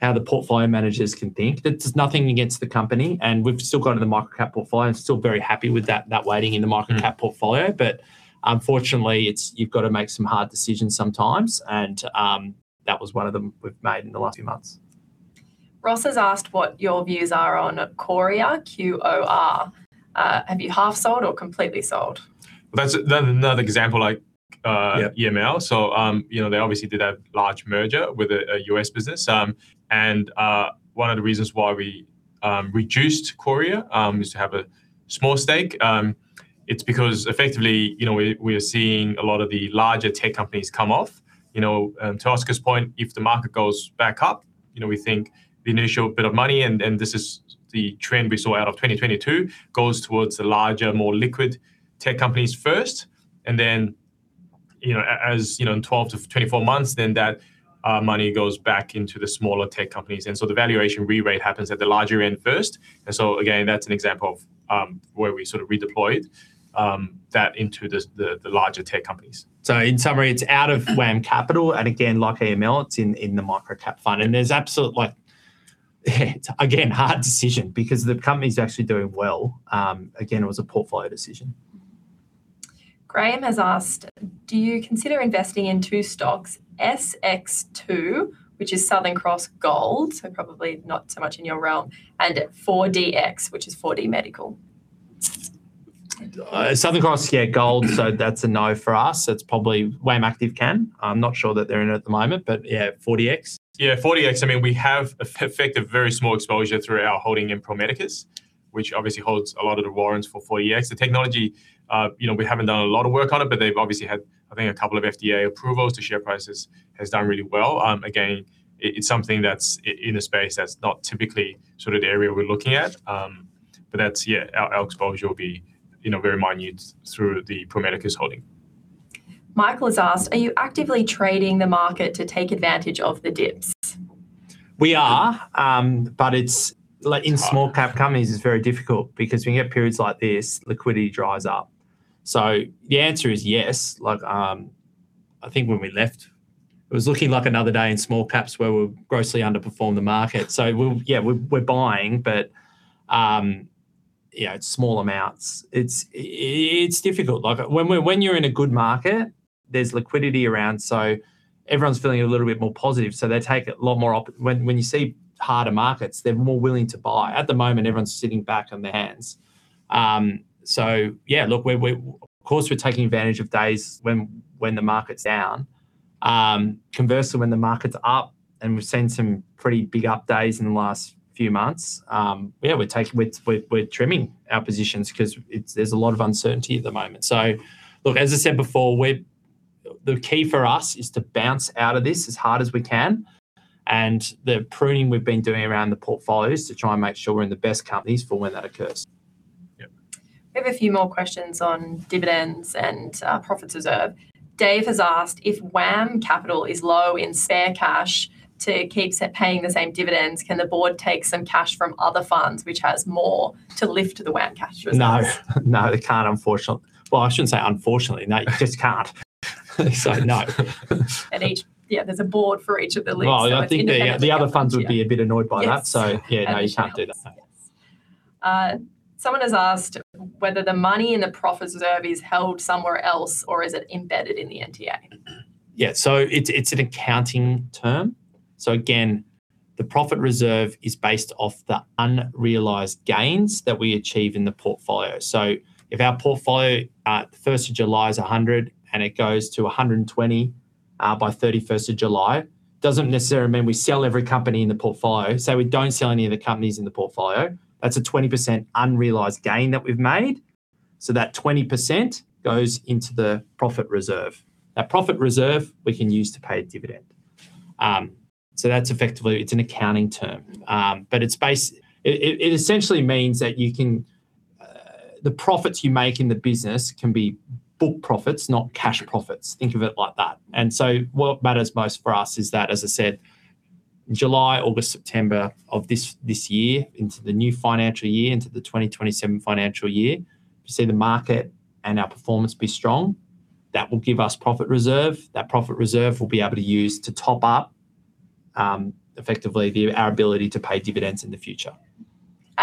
how the portfolio managers can think. It's nothing against the company, and we've still got it in the microcap portfolio and still very happy with that weighting in the microcap portfolio, but unfortunately, it's. You've gotta make some hard decisions sometimes, and that was one of them we've made in the last few months. Ross has asked what your views are on Qoria, QOR. "Have you half sold or completely sold?" That's another example like EML. They obviously did a large merger with a U.S. business. One of the reasons why we reduced Qoria is to have a small stake. It's because effectively, you know, we are seeing a lot of the larger tech companies come off. You know, to Oscar's point, if the market goes back up, you know, we think the initial bit of money, and this is the trend we saw out of 2022, goes towards the larger, more liquid tech companies first, and then, you know, as you know in 12-24 months, then that money goes back into the smaller tech companies. The valuation rerate happens at the larger end first. Again, that's an example of where we sort of redeployed that into the larger tech companies. In summary, it's out of WAM Capital, and again, like EML, it's in the microcap fund. There's absolutely, like, again, hard decision because the company's actually doing well. Again, it was a portfolio decision. Graham has asked, "Do you consider investing in two stocks, SX2, which is Southern Cross Gold, so probably not so much in your realm, and 4DX, which is 4DMedical?" Southern Cross Gold, yeah. That's a no for us. It's probably WAM Active can. I'm not sure that they're in it at the moment, but yeah, 4DX? Yeah, 4DX, I mean, we have effective very small exposure through our holding in Pro Medicus, which obviously holds a lot of the warrants for 4DX. The technology, you know, we haven't done a lot of work on it, but they've obviously had, I think, a couple of FDA approvals. The share prices has done really well. Again, it's something that's in a space that's not typically sort of the area we're looking at. But that's, yeah, our exposure will be, you know, very minute through the Pro Medicus holding. Michael has asked, "Are you actively trading the market to take advantage of the dips?" Like in small-cap companies, it's very difficult because when you have periods like this, liquidity dries up. The answer is yes. Like, I think when we left, it was looking like another day in small caps where we grossly underperformed the market. We'll, yeah, we're buying, but, you know, it's small amounts. It's difficult. Like when you're in a good market, there's liquidity around, so everyone's feeling a little bit more positive. When you see harder markets, they're more willing to buy. At the moment, everyone's sitting back on their hands. Yeah, look, of course, we're taking advantage of days when the market's down. Conversely, when the market's up, and we've seen some pretty big up days in the last few months, yeah, we're trimming our positions 'cause it's, there's a lot of uncertainty at the moment. Look, as I said before, the key for us is to bounce out of this as hard as we can, and the pruning we've been doing around the portfolio is to try and make sure we're in the best companies for when that occurs. Yep. We have a few more questions on dividends and profit reserves. Dave has asked, "If WAM Capital is low in spare cash to keep paying the same dividends, can the Board take some cash from other funds which has more to lift the WAM cash reserves?" No, they can't, unfortunately. Well, I shouldn't say unfortunately. No, you just can't. So, no. Yeah, there's a Board for each of the lists, so it's independent. Well, I think the other funds would be a bit annoyed by that. Yeah. No, you can't do that. Yes. Someone has asked whether the money in the profit reserve is held somewhere else, or is it embedded in the NTA? It's an accounting term. The profit reserve is based off the unrealized gains that we achieve in the portfolio. If our portfolio at July 1st is 100, and it goes to 120 by July 31st, it doesn't necessarily mean we sell every company in the portfolio. We don't sell any of the companies in the portfolio. That's a 20% unrealized gain that we've made. That 20% goes into the profit reserve. That profit reserve we can use to pay a dividend. That's effectively an accounting term, but it essentially means that you can, the profits you make in the business can be book profits, not cash profits. Think of it like that. What matters most for us is that, as I said, July, August, September of this year, into the new financial year, into the 2027 financial year, we see the market and our performance be strong. That will give us profit reserve. That profit reserve we'll be able to use to top up effectively our ability to pay dividends in the future.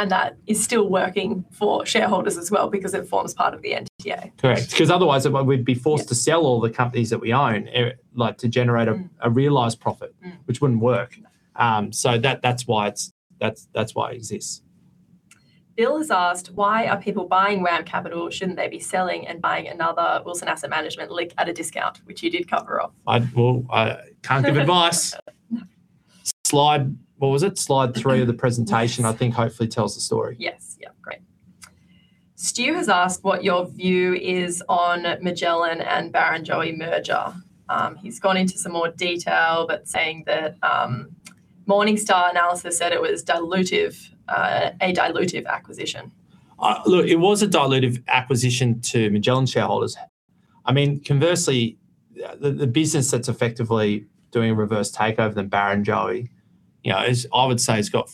That is still working for shareholders as well because it forms part of the NTA. Correct. Because otherwise, we'd be forced to sell all the companies that we own, like, to generate a realized profit, which wouldn't work. That's why it exists. Bill has asked, "Why are people buying WAM Capital? Shouldn't they be selling and buying another Wilson Asset Management LIC at a discount? Which you did cover off?" Well, I can't give advice. What was it? Slide 3 of the presentation, I think, hopefully tells the story. Yeah, great. Stu has asked what your view is on Magellan and Barrenjoey merger. He's gone into some more detail, but saying that, Morningstar analysis said it was a dilutive acquisition. Look, it was a dilutive acquisition to Magellan shareholders. I mean, conversely, the business that's effectively doing a reverse takeover of Barrenjoey, you know, I would say, has got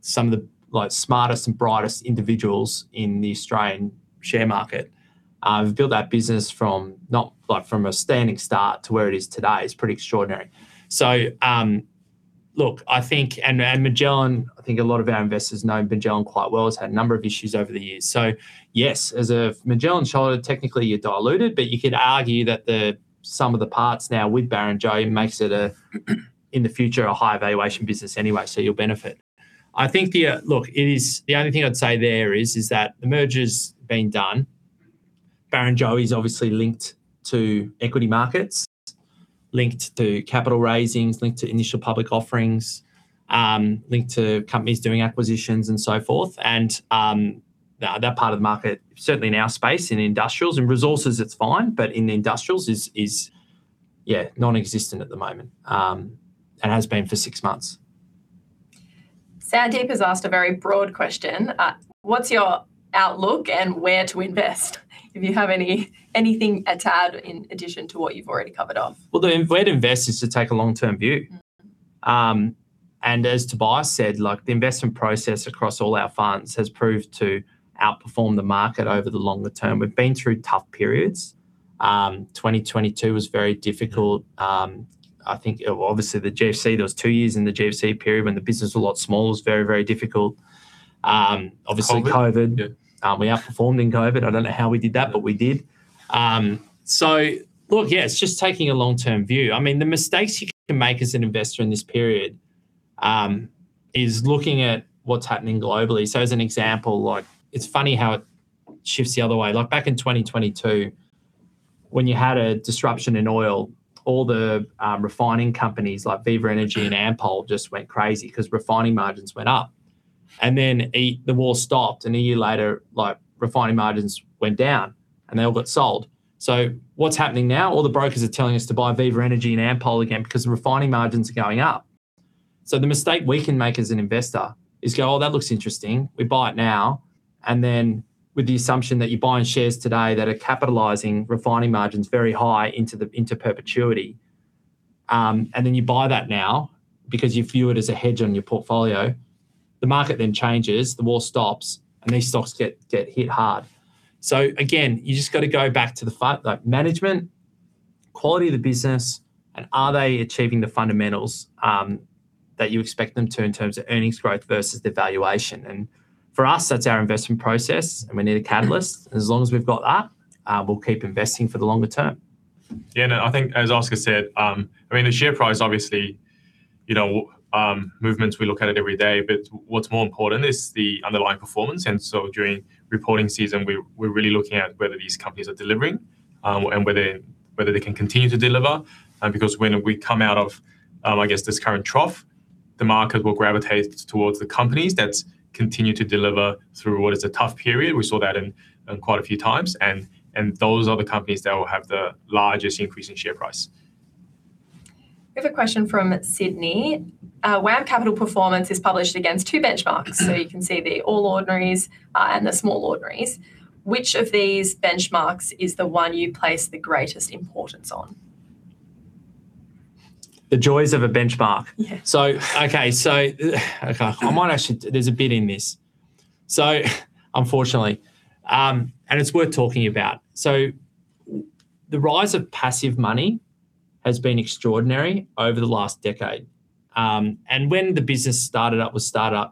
some of the, like, smartest and brightest individuals in the Australian share market. Built that business from a standing start to where it is today. It's pretty extraordinary. Look, I think Magellan, I think a lot of our investors know Magellan quite well. It's had a number of issues over the years. Yes, as a Magellan shareholder, technically, you're diluted, but you could argue that the sum of the parts now with Barrenjoey makes it, in the future, a high valuation business anyway, so you'll benefit. I think. Look, it is. The only thing I'd say there is that the merger's been done. Barrenjoey's obviously linked to equity markets, linked to capital raisings, linked to initial public offerings, linked to companies doing acquisitions and so forth. That part of the market, certainly in our space, in industrials, in resources, it's fine, but in industrials is yeah nonexistent at the moment, and has been for six months. Sandeep has asked a very broad question. "What's your outlook and where to invest if you have anything to add in addition to what you've already covered off?" Well, the way to invest is to take a long-term view. As Tobias said, like, the investment process across all our funds has proved to outperform the market over the longer term. We've been through tough periods. 2022 was very difficult. I think, obviously, the GFC, there was two years in the GFC period when the business was a lot smaller. It was very difficult. Obviously, COVID. COVID. Yeah. We outperformed in COVID. I don't know how we did that, but we did. Look, yeah, it's just taking a long-term view. I mean, the mistakes you can make as an investor in this period is looking at what's happening globally. As an example, like, it's funny how it shifts the other way. Like back in 2022, when you had a disruption in oil, all the refining companies like Viva Energy and Ampol just went crazy 'cause refining margins went up. Then the war stopped, and a year later, like, refining margins went down, and they all got sold. What's happening now? All the brokers are telling us to buy Viva Energy and Ampol again because the refining margins are going up. The mistake we can make as an investor is go, "Oh, that looks interesting." We buy it now, and then with the assumption that you're buying shares today that are capitalizing refining margins very high into perpetuity, and then you buy that now because you view it as a hedge on your portfolio. The market then changes, the war stops, and these stocks get hit hard. You just gotta go back to the like, management, quality of the business, and are they achieving the fundamentals that you expect them to in terms of earnings growth versus the valuation? For us, that's our investment process, and we need a catalyst. As long as we've got that, we'll keep investing for the longer term. Yeah. No, I think as Oscar said, I mean, the share price, obviously, you know, movements, we look at it every day, but what's more important is the underlying performance. During reporting season, we're really looking at whether these companies are delivering, and whether they can continue to deliver. Because when we come out of, I guess this current trough, the market will gravitate towards the companies that's continued to deliver through what is a tough period. We saw that in quite a few times. Those are the companies that will have the largest increase in share price. We have a question from Sydney. "WAM Capital performance is published against two benchmarks, so you can see the All Ordinaries and the Small Ordinaries. Which of these benchmarks is the one you place the greatest importance on?" The joys of a benchmark. There's a bit in this, and it's worth talking about. The rise of passive money has been extraordinary over the last decade. When the business started up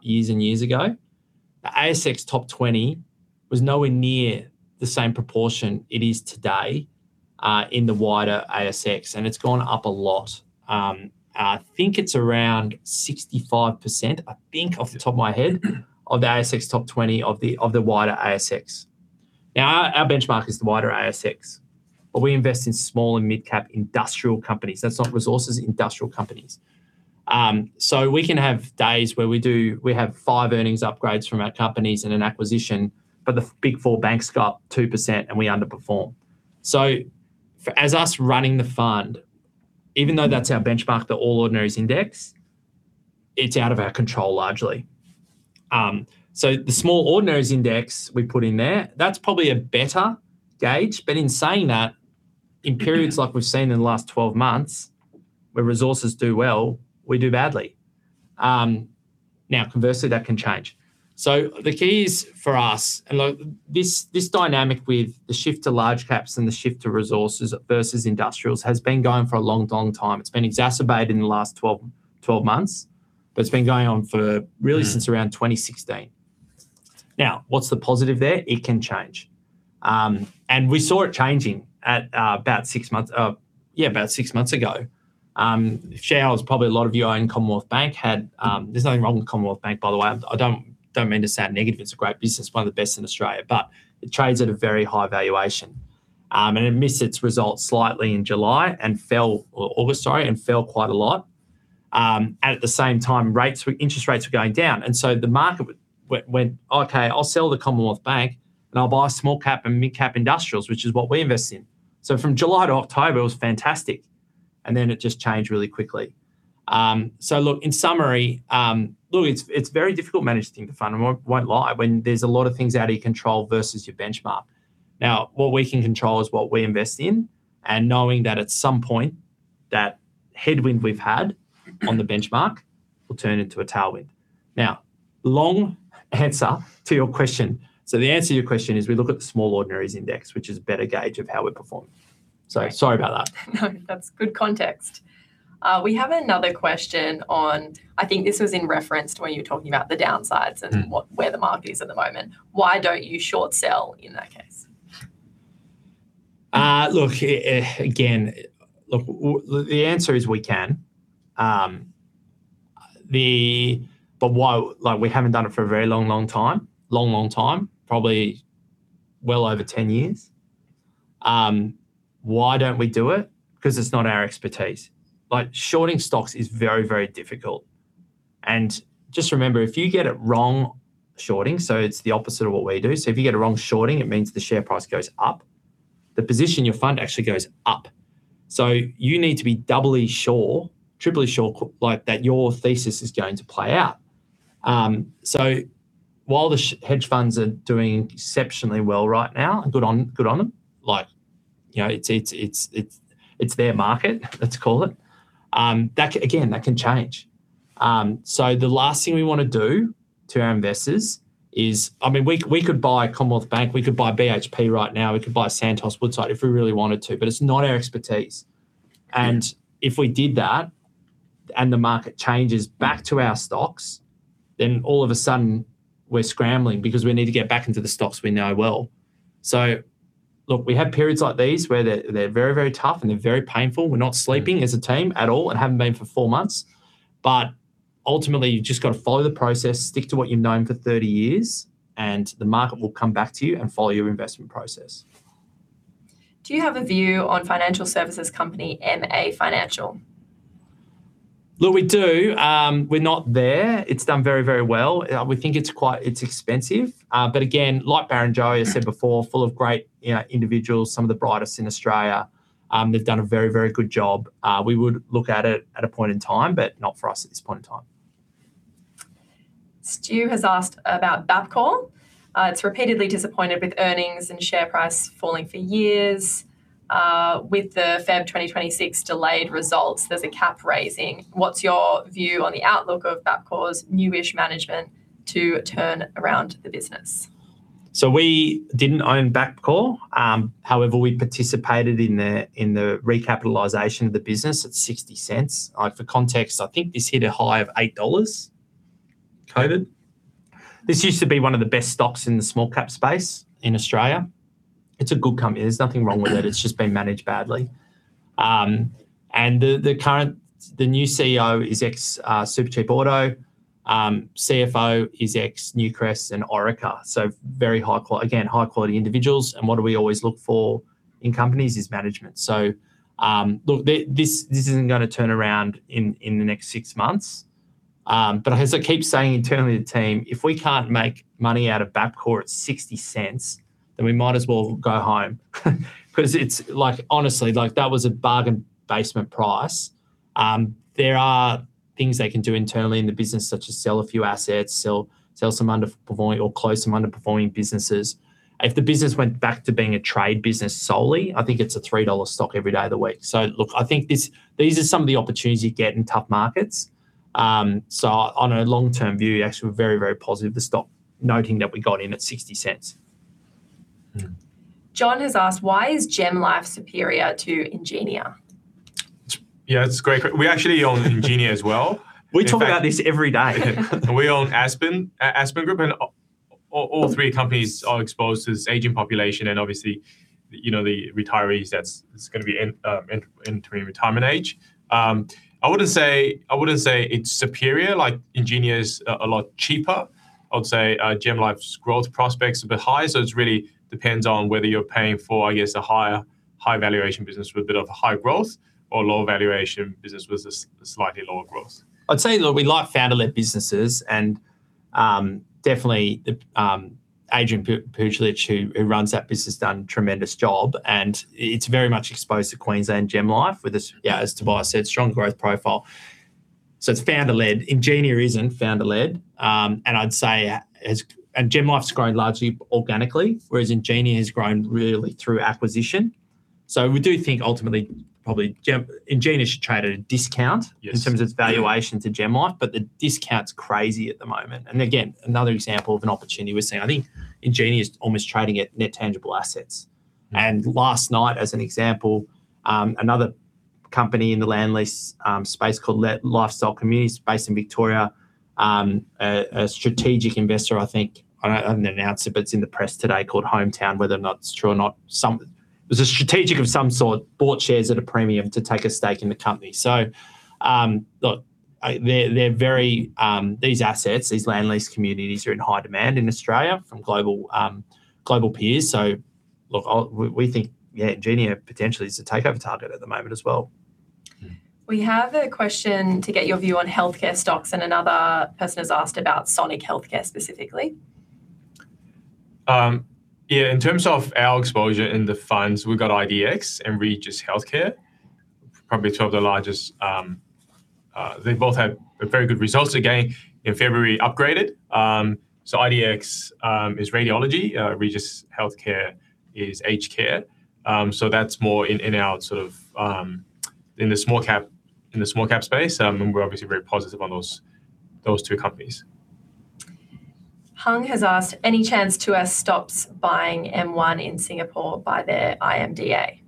years and years ago, the ASX top 20 was nowhere near the same proportion it is today in the wider ASX, and it's gone up a lot. I think it's around 65%, off the top of my head, of the ASX top 20 of the wider ASX. Now, our benchmark is the wider ASX, but we invest in small- and mid-cap industrial companies. That's not resources, industrial companies. We can have days where we do. We have five earnings upgrades from our companies in anticipation, but the big four banks go up 2% and we underperform. For us running the fund, even though that's our benchmark, the All Ordinaries Index, it's out of our control largely. The Small Ordinaries Index we put in there, that's probably a better gauge. In saying that, in periods like we've seen in the last twelve months, where resources do well, we do badly. Now conversely, that can change. The keys for us, this dynamic with the shift to large caps and the shift to resources versus industrials, has been going for a long, long time. It's been exacerbated in the last twelve months, but it's been going on for really since around 2016. What's the positive there? It can change. We saw it changing at about six months ago. Shares, probably a lot of you own Commonwealth Bank, had. There's nothing wrong with Commonwealth Bank, by the way. I don't mean to sound negative. It's a great business, one of the best in Australia. It trades at a very high valuation, and it missed its results slightly in July and fell, or August, sorry, and fell quite a lot. At the same time, interest rates were going down, the market went, "Okay, I'll sell the Commonwealth Bank, and I'll buy small cap and mid cap industrials," which is what we invest in. From July to October, it was fantastic, and then it just changed really quickly. In summary, it's very difficult managing the fund. I won't lie when there's a lot of things out of your control versus your benchmark. Now, what we can control is what we invest in, and knowing that at some point, that headwind we've had on the benchmark will turn into a tailwind. Now, long answer to your question. The answer to your question is, we look at the Small Ordinaries Index, which is a better gauge of how we perform. Great. Sorry about that. No, that's good context. We have another question on, I think this was in reference to when you were talking about the downsides. "What, where the market is at the moment. Why don't you short sell in that case?" Look, the answer is we can. Why, like, we haven't done it for a very long time. Probably well over 10 years. Why don't we do it? 'Cause it's not our expertise. Like, shorting stocks is very difficult, and just remember, if you get it wrong shorting, so it's the opposite of what we do, so if you get it wrong shorting, it means the share price goes up, the position you fund actually goes up. So you need to be doubly sure, triple sure, like, that your thesis is going to play out. So while the hedge funds are doing exceptionally well right now, and good on them, like, you know, it's their market, let's call it, that can change again. The last thing we wanna do to our investors is, I mean, we could buy Commonwealth Bank, we could buy BHP right now, we could buy Santos, Woodside if we really wanted to, but it's not our expertise. If we did that, and the market changes back to our stocks, then all of a sudden we're scrambling, because we need to get back into the stocks we know well. Look, we have periods like these where they're very tough and they're very painful. We're not sleeping as a team at all, and haven't been for four months. Ultimately, you've just gotta follow the process, stick to what you've known for 30 years, and the market will come back to you and follow your investment process. Do you have a view on financial services company MA Financial? Look, we do. We're not there. It's done very, very well. We think it's quite expensive. But again, like Barrenjoey, I said before, full of great individuals, some of the brightest in Australia. They've done a very, very good job. We would look at it at a point in time, but not for us at this point in time. Stu has asked about Bapcor. "It's repeatedly disappointed with earnings and share price falling for years. With the February 2026 delayed results, there's a capital raising. What's your view on the outlook of Bapcor's new-ish management to turn around the business?" We didn't own Bapcor. However, we participated in the recapitalization of the business at 0.60. For context, I think this hit a high of 8 dollars. COVID. This used to be one of the best stocks in the small-cap space in Australia. It's a good company. There's nothing wrong with it's just been managed badly. The new CEO is ex-Supercheap Auto. CFO is ex-Newcrest and Orica, so very high quality again, high-quality individuals, and what do we always look for in companies is management. This isn't gonna turn around in the next six months. But as I keep saying internally to the team, if we can't make money out of Bapcor at 0.60, then we might as well go home. It's like, honestly, like that was a bargain basement price. There are things they can do internally in the business, such as sell a few assets, sell some underperforming or close some underperforming businesses. If the business went back to being a trade business solely, I think it's a 3 dollar stock every day of the week. Look, I think this, these are some of the opportunities you get in tough markets. On a long-term view, we're actually very, very positive of the stock, noting that we got in at 0.60. John has asked, "Why is GemLife superior to Ingenia?" We actually own Ingenia as well. We talk about this every day. We own Aspen Group, and all three companies are exposed to this aging population, and obviously, you know, the retirees that's gonna be entering retirement age. I wouldn't say it's superior. Like Ingenia is a lot cheaper. I would say GemLife's growth prospects are a bit higher. It's really depends on whether you're paying for, I guess, a higher, high valuation business with a bit of high growth or a low valuation business with a slightly lower growth. I'd say, look, we like founder-led businesses and, definitely, Adrian Puljich, who runs that business, has done a tremendous job, and it's very much exposed to Queensland, GemLife, with this, yeah, as Tobias said, strong growth profile. It's founder-led. Ingenia isn't founder-led. I'd say GemLife's grown largely organically, whereas Ingenia's grown really through acquisition. We do think ultimately, probably Ingenia should trade at a discount in terms of its valuation to GemLife, but the discount's crazy at the moment. Again, another example of an opportunity we're seeing. I think Ingenia's almost trading at net tangible assets. Last night, as an example, another company in the land lease space called Lifestyle Communities based in Victoria, a strategic investor, I think, I don't know if they announced it, but it's in the press today, called Hometown America, whether or not it's true or not, it was a strategic of some sort, bought shares at a premium to take a stake in the company. Look, they're very, these assets, these land lease communities are in high demand in Australia from global peers. Look, we think, yeah, Ingenia potentially is a takeover target at the moment as well. We have a question to get your view on healthcare stocks, and another person has asked about Sonic Healthcare specifically. Yeah, in terms of our exposure in the funds, we've got IDX and Regis Healthcare, probably two of the largest. They both have very good results. Again, in February, upgraded. IDX is radiology. Regis Healthcare is aged care. That's more in our sort of in the small cap space. We're obviously very positive on those two companies. Hung has asked, "Any chance Tuas stops buying M1 in Singapore by their IMDA?"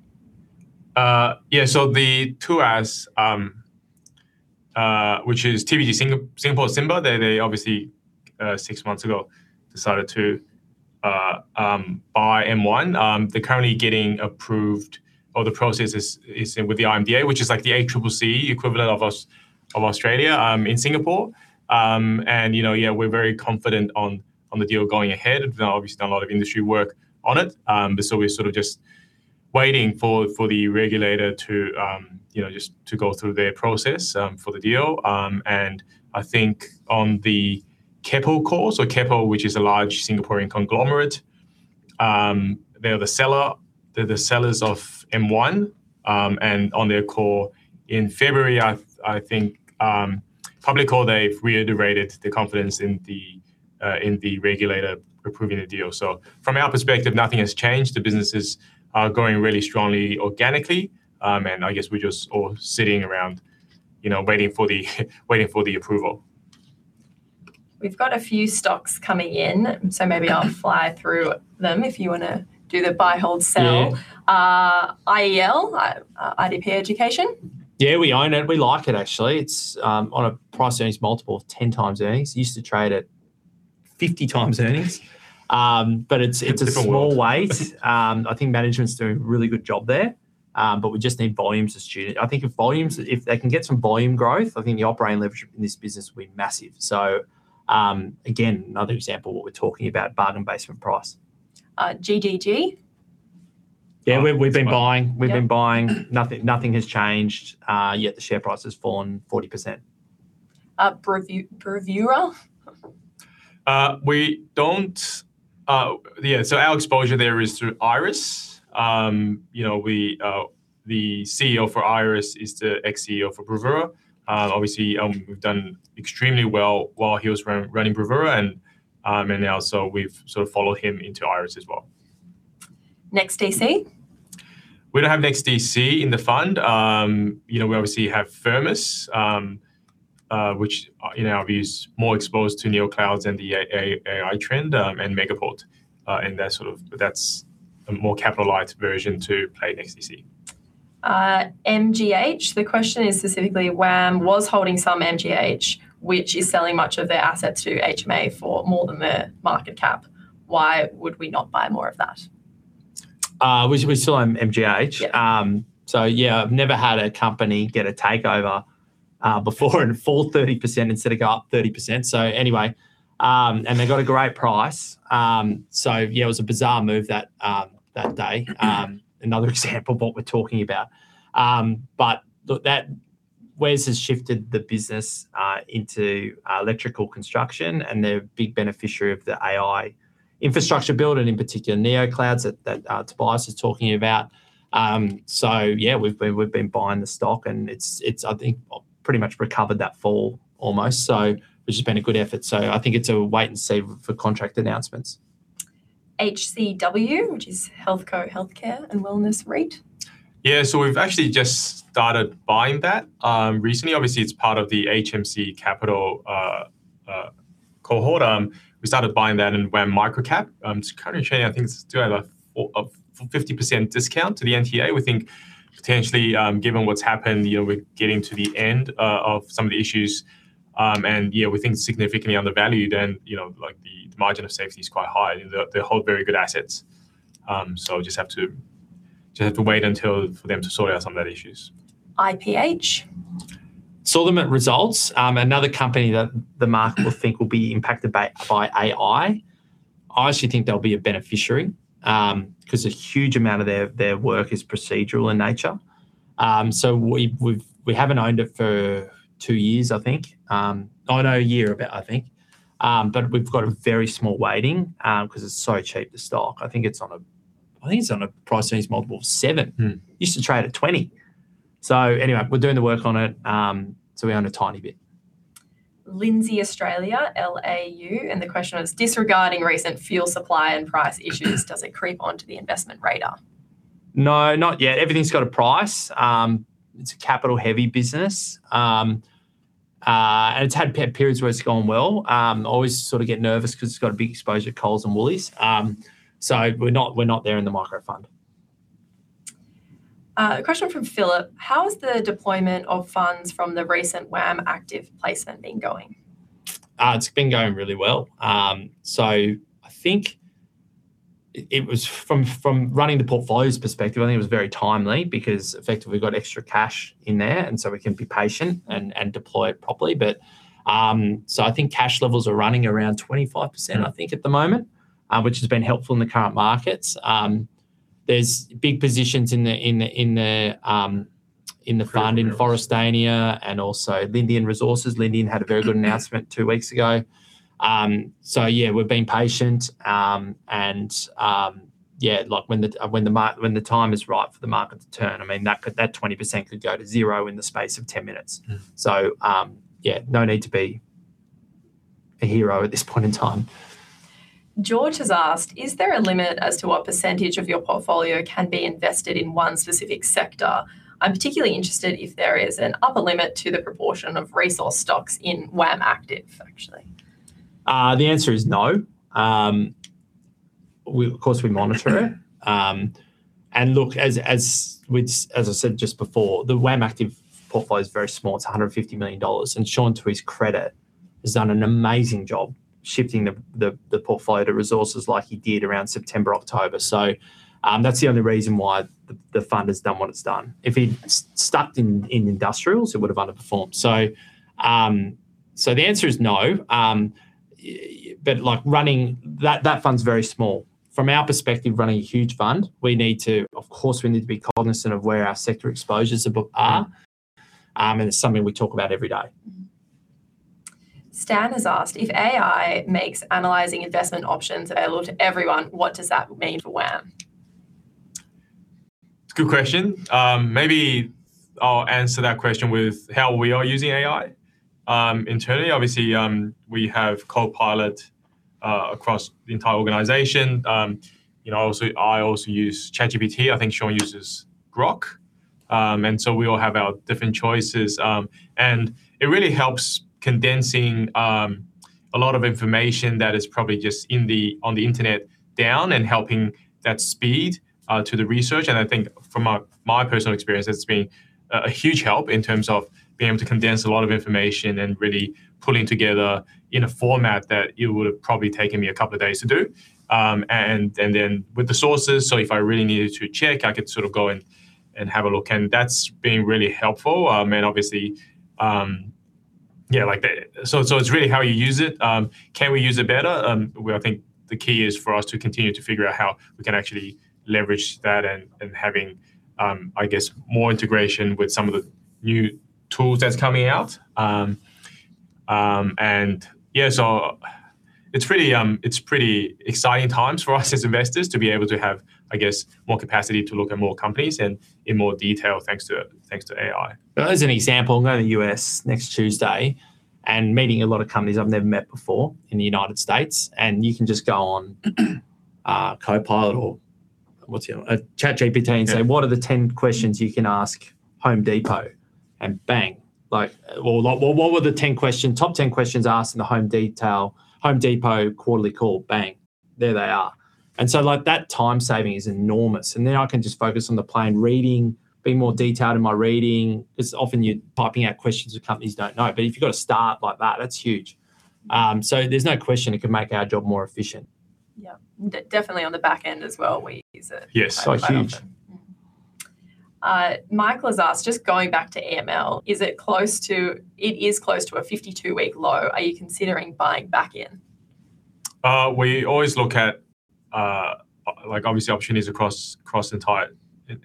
Yeah, the Tuas, which is TPG Singapore symbol, they obviously six months ago decided to buy M1. They're currently getting approved, or the process is with the IMDA, which is like the ACCC equivalent of Australia in Singapore. You know, yeah, we're very confident on the deal going ahead. We've obviously done a lot of industry work on it. We're sort of just waiting for the regulator to you know just to go through their process for the deal. I think on the Keppel call, Keppel, which is a large Singaporean conglomerate, they're the seller. They're the sellers of M1, and on their call in February, I think public call, they've reiterated the confidence in the regulator approving the deal. From our perspective, nothing has changed. The businesses are going really strongly organically, and I guess we're just all sitting around, you know, waiting for the approval. We've got a few stocks coming in, so maybe I'll fly through them if you wanna do the buy, hold, sell. Yeah. IDP Education? Yeah, we own it. We like it actually. It's on a price-earnings multiple of 10 times earnings. Used to trade at 50 times earnings. But it's a small weight. I think management's doing a really good job there. But we just need student volumes. I think if they can get some volume growth, I think the operating leverage in this business will be massive. Again, another example of what we're talking about, bargain basement price. GDG? Yeah, we've been buying. Oh, that's right. We've been buying. Nothing has changed, yet the share price has fallen 40%. Bravura? Our exposure there is through Iress. You know, the CEO for Iress is the ex-CEO for Bravura. Obviously, we've done extremely well while he was running Bravura, and now we've sort of followed him into Iress as well. NEXTDC? We don't have NEXTDC in the fund. You know, we obviously have Firmus, which, in our view, is more exposed to neoclouds and the AI trend, and Megaport, and that sort of. That's a more capitalized version to play NEXTDC. MGH. The question is specifically, "WAM was holding some MGH, which is selling much of their assets to HMA for more than their market cap. Why would we not buy more of that?" We still own MGH. Yeah. Yeah, I've never had a company get a takeover before and fall 30% instead of go up 30%. Anyway, they got a great price. It was a bizarre move that day. Another example of what we're talking about. Look, Wes has shifted the business into electrical construction, and they're a big beneficiary of the AI infrastructure build, and in particular, neoclouds that Tobias was talking about. Yeah, we've been buying the stock, and it's I think pretty much recovered that fall almost, which has been a good effort. I think it's a wait and see for contract announcements. HCW, which is HealthCo Healthcare and Wellness REIT? Yeah. We've actually just started buying that recently. Obviously, it's part of the HMC Capital cohort. We started buying that in WAM Microcap. It's currently trading. I think it's still at a 50% discount to the NTA. We think potentially, given what's happened, you know, we're getting to the end of some of the issues, and yeah, we think significantly undervalued then, you know, like the margin of safety is quite high. They hold very good assets. So we'll just have to wait for them to sort out some of those issues. IPH? Solid results, another company that the market will think will be impacted by AI. I actually think they'll be a beneficiary, 'cause a huge amount of their work is procedural in nature. So we haven't owned it for two years, I think, oh no, about a year, I think. But we've got a very small weighting, 'cause it's so cheap, the stock. I think it's on a price earnings multiple of 7. Used to trade at 20. Anyway, we're doing the work on it, so we own a tiny bit. Lindsay Australia, LAU, and the question was, "Disregarding recent fuel supply and price issues, does it creep onto the investment radar?" No, not yet. Everything's got a price. It's a capital heavy business. It's had periods where it's gone well. Always sort of get nervous 'cause it's got a big exposure to Coles and Woolworths. We're not there in the micro fund. A question from Philip: "How has the deployment of funds from the recent WAM Active placement been going?" It's been going really well. I think it was from running the portfolio's perspective, I think it was very timely because effectively we've got extra cash in there, and we can be patient and deploy it properly. I think cash levels are running around 25% I think at the moment, which has been helpful in the current markets. There's big positions in the fund in Forrestania Resources and also Lindian Resources. Lindian had a very good announcement two weeks ago. Yeah, we're being patient, and yeah, like when the time is right for the market to turn, I mean, that 20% could go to zero in the space of 10 minutes. No need to be a hero at this point in time. George has asked, "Is there a limit as to what percentage of your portfolio can be invested in one specific sector? I'm particularly interested if there is an upper limit to the proportion of resource stocks in WAM Active, actually." The answer is no. We, of course, monitor it. Look, as I said just before, the WAM Active portfolio is very small. It's 150 million dollars, and Shaun, to his credit, has done an amazing job shifting the portfolio to resources like he did around September, October. That's the only reason why the fund has done what it's done. If he'd stuck to industrials, it would have underperformed. The answer is no. Like, that fund's very small. From our perspective, running a huge fund, we need to, of course, be cognizant of where our sector exposures are, and it's something we talk about every day. Stan has asked, "If AI makes analyzing investment options available to everyone, what does that mean for WAM?" It's a good question. Maybe I'll answer that question with how we are using AI internally. Obviously, we have Copilot across the entire organization. You know, obviously, I also use ChatGPT. I think Shaun uses Groq. We all have our different choices. It really helps condensing a lot of information that is probably just on the internet down and helping to speed the research. I think from my personal experience, it's been a huge help in terms of being able to condense a lot of information and really pulling together in a format that it would have probably taken me a couple of days to do. Then with the sources, if I really needed to check, I could sort of go and have a look, and that's been really helpful. Obviously, like it's really how you use it. Can we use it better? I think the key is for us to continue to figure out how we can actually leverage that and having more integration with some of the new tools that's coming out. It's pretty exciting times for us as investors to be able to have more capacity to look at more companies and in more detail thanks to AI. As an example, I'm going to the U.S. next Tuesday and meeting a lot of companies I've never met before in the United States, and you can just go on, Copilot or what's the other one? ChatGPT. Say, "What are the 10 questions you can ask Home Depot?" Bang, like, "What were the top 10 questions asked in the Home Depot quarterly call?" Bang, there they are. Like, that time saving is enormous, and then I can just focus on the plain reading, being more detailed in my reading. 'Cause often you're typing out questions that companies don't know, but if you've got a start like that's huge. There's no question it can make our job more efficient. Yeah. Definitely on the back end as well, we use it quite a lot. Yes, huge. Michael has asked, "Just going back to EML, it is close to a 52-week low. Are you considering buying back in?" We always look at, like obviously opportunities across the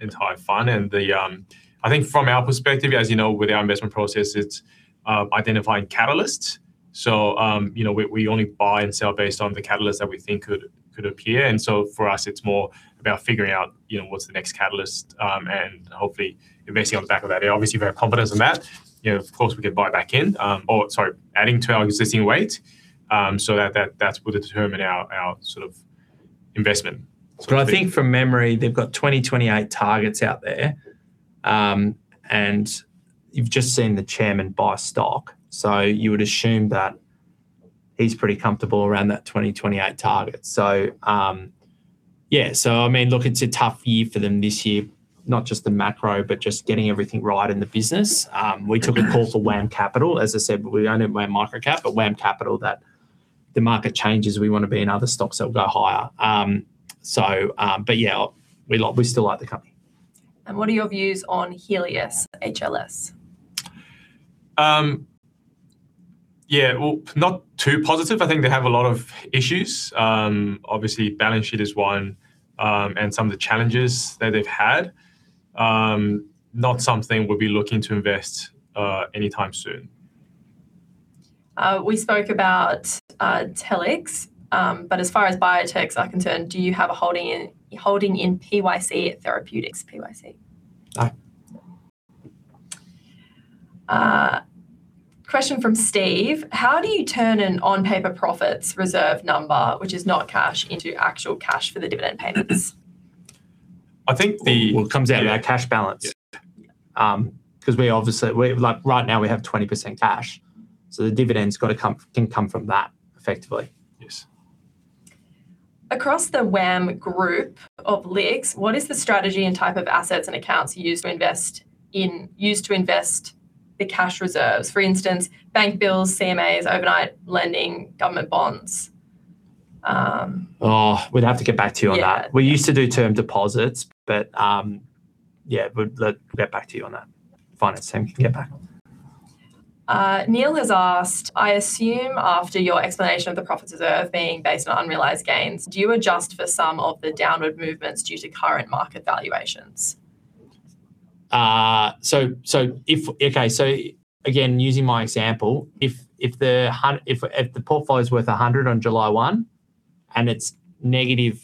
entire fund and the... I think from our perspective, as you know, with our investment process, it's identifying catalysts. You know, we only buy and sell based on the catalyst that we think could appear. For us, it's more about figuring out, you know, what's the next catalyst, and hopefully investing on the back of that. Obviously, we have confidence in that. You know, of course, we could buy back in, or sorry, adding to our existing weight. That, that's what would determine our sort of investment. I think from memory, they've got 2028 targets out there, and you've just seen the chairman buy stock, so you would assume that he's pretty comfortable around that 2028 target. Yeah, I mean, look, it's a tough year for them this year, not just the macro, but just getting everything right in the business. We took a call for WAM Capital. As I said, we own it WAM Microcap, but WAM Capital that the market changes, we wanna be in other stocks that will go higher. Yeah, we still like the company. What are your views on Healius, HLS? Yeah. Well, not too positive. I think they have a lot of issues. Obviously balance sheet is one, and some of the challenges that they've had. Not something we'll be looking to invest anytime soon. We spoke about Telix. But as far as biotechs are concerned, do you have a holding in PYC Therapeutics, PYC? No. Question from Steve, "How do you turn an on-paper profits reserve number, which is not cash, into actual cash for the dividend payments?" I think the- Well, it comes out of our cash balance. Yeah. 'Cause we obviously like, right now, we have 20% cash, so the dividend's gotta come, can come from that effectively. Across the WAM Group of LICs, what is the strategy and type of assets and accounts you use to invest in, use to invest the cash reserves? For instance, bank bills, CMAs, overnight lending, government bonds. Oh, we'd have to get back to you on that. We used to do term deposits, but, yeah, we'd get back to you on that. Finance team can get back. Neil has asked, "I assume after your explanation of the profit reserve being based on unrealized gains, do you adjust for some of the downward movements due to current market valuations?" Again, using my example, if the portfolio is worth 100 on July 1st and it's negative,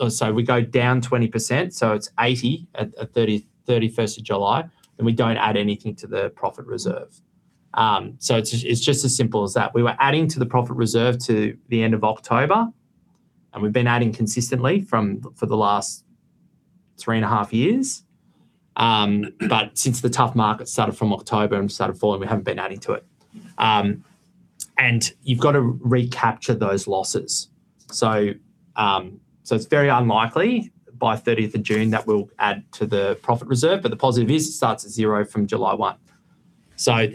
or sorry, we go down 20%, so it's 80 at July 31st, then we don't add anything to the profit reserve. It's just as simple as that. We were adding to the profit reserve to the end of October, and we've been adding consistently for the last 3.5 years. Since the tough market started from October and started falling, we haven't been adding to it. You've got to recapture those losses. It's very unlikely by June 30th that we'll add to the profit reserve, but the positive is it starts at zero from July 1st.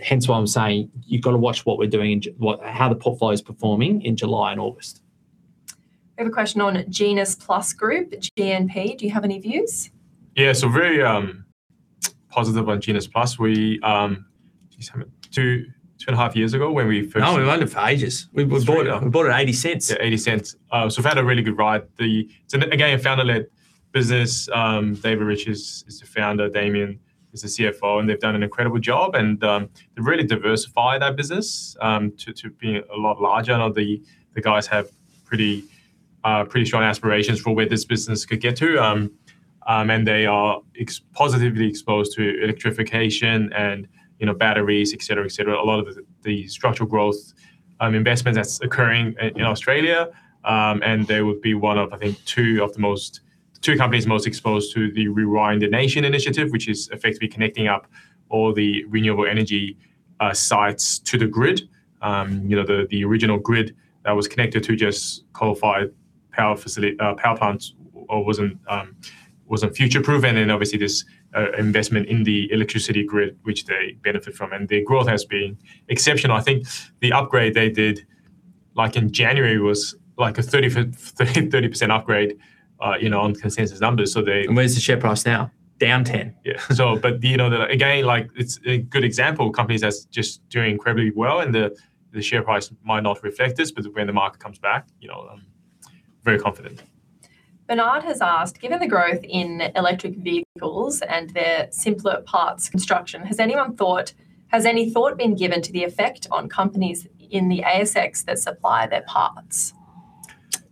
Hence why I'm saying you've got to watch what we're doing, how the portfolio is performing in July and August. We have a question on GenusPlus Group, GNP. Do you have any views? Very positive on GenusPlus. 2.5 years ago when we first- No, we owned it for ages. We bought it at 0.80. Yeah, 0.80. So we've had a really good ride. So again, a founder-led business. David Riches is the founder, Damian is the CFO, and they've done an incredible job and they've really diversified our business to being a lot larger. I know the guys have pretty strong aspirations for where this business could get to. And they are positively exposed to electrification and, you know, batteries, etc. A lot of the structural growth investment that's occurring in Australia, and they would be one of, I think, two companies most exposed to the Rewiring the Nation initiative, which is effectively connecting up all the renewable energy sites to the grid. You know, the original grid that was connected to just coal-fired power plants wasn't future-proven. Obviously this investment in the electricity grid, which they benefit from, and the growth has been exceptional. I think the upgrade they did, like in January, was like a 30% upgrade, you know, on consensus numbers. They- Where's the share price now? Down 10. Yeah. You know, again, like it's a good example of companies that's just doing incredibly well, and the share price might not reflect this, but when the market comes back, you know, very confident. Bernard has asked, "Given the growth in electric vehicles and their simpler parts construction, has any thought been given to the effect on companies in the ASX that supply their parts?"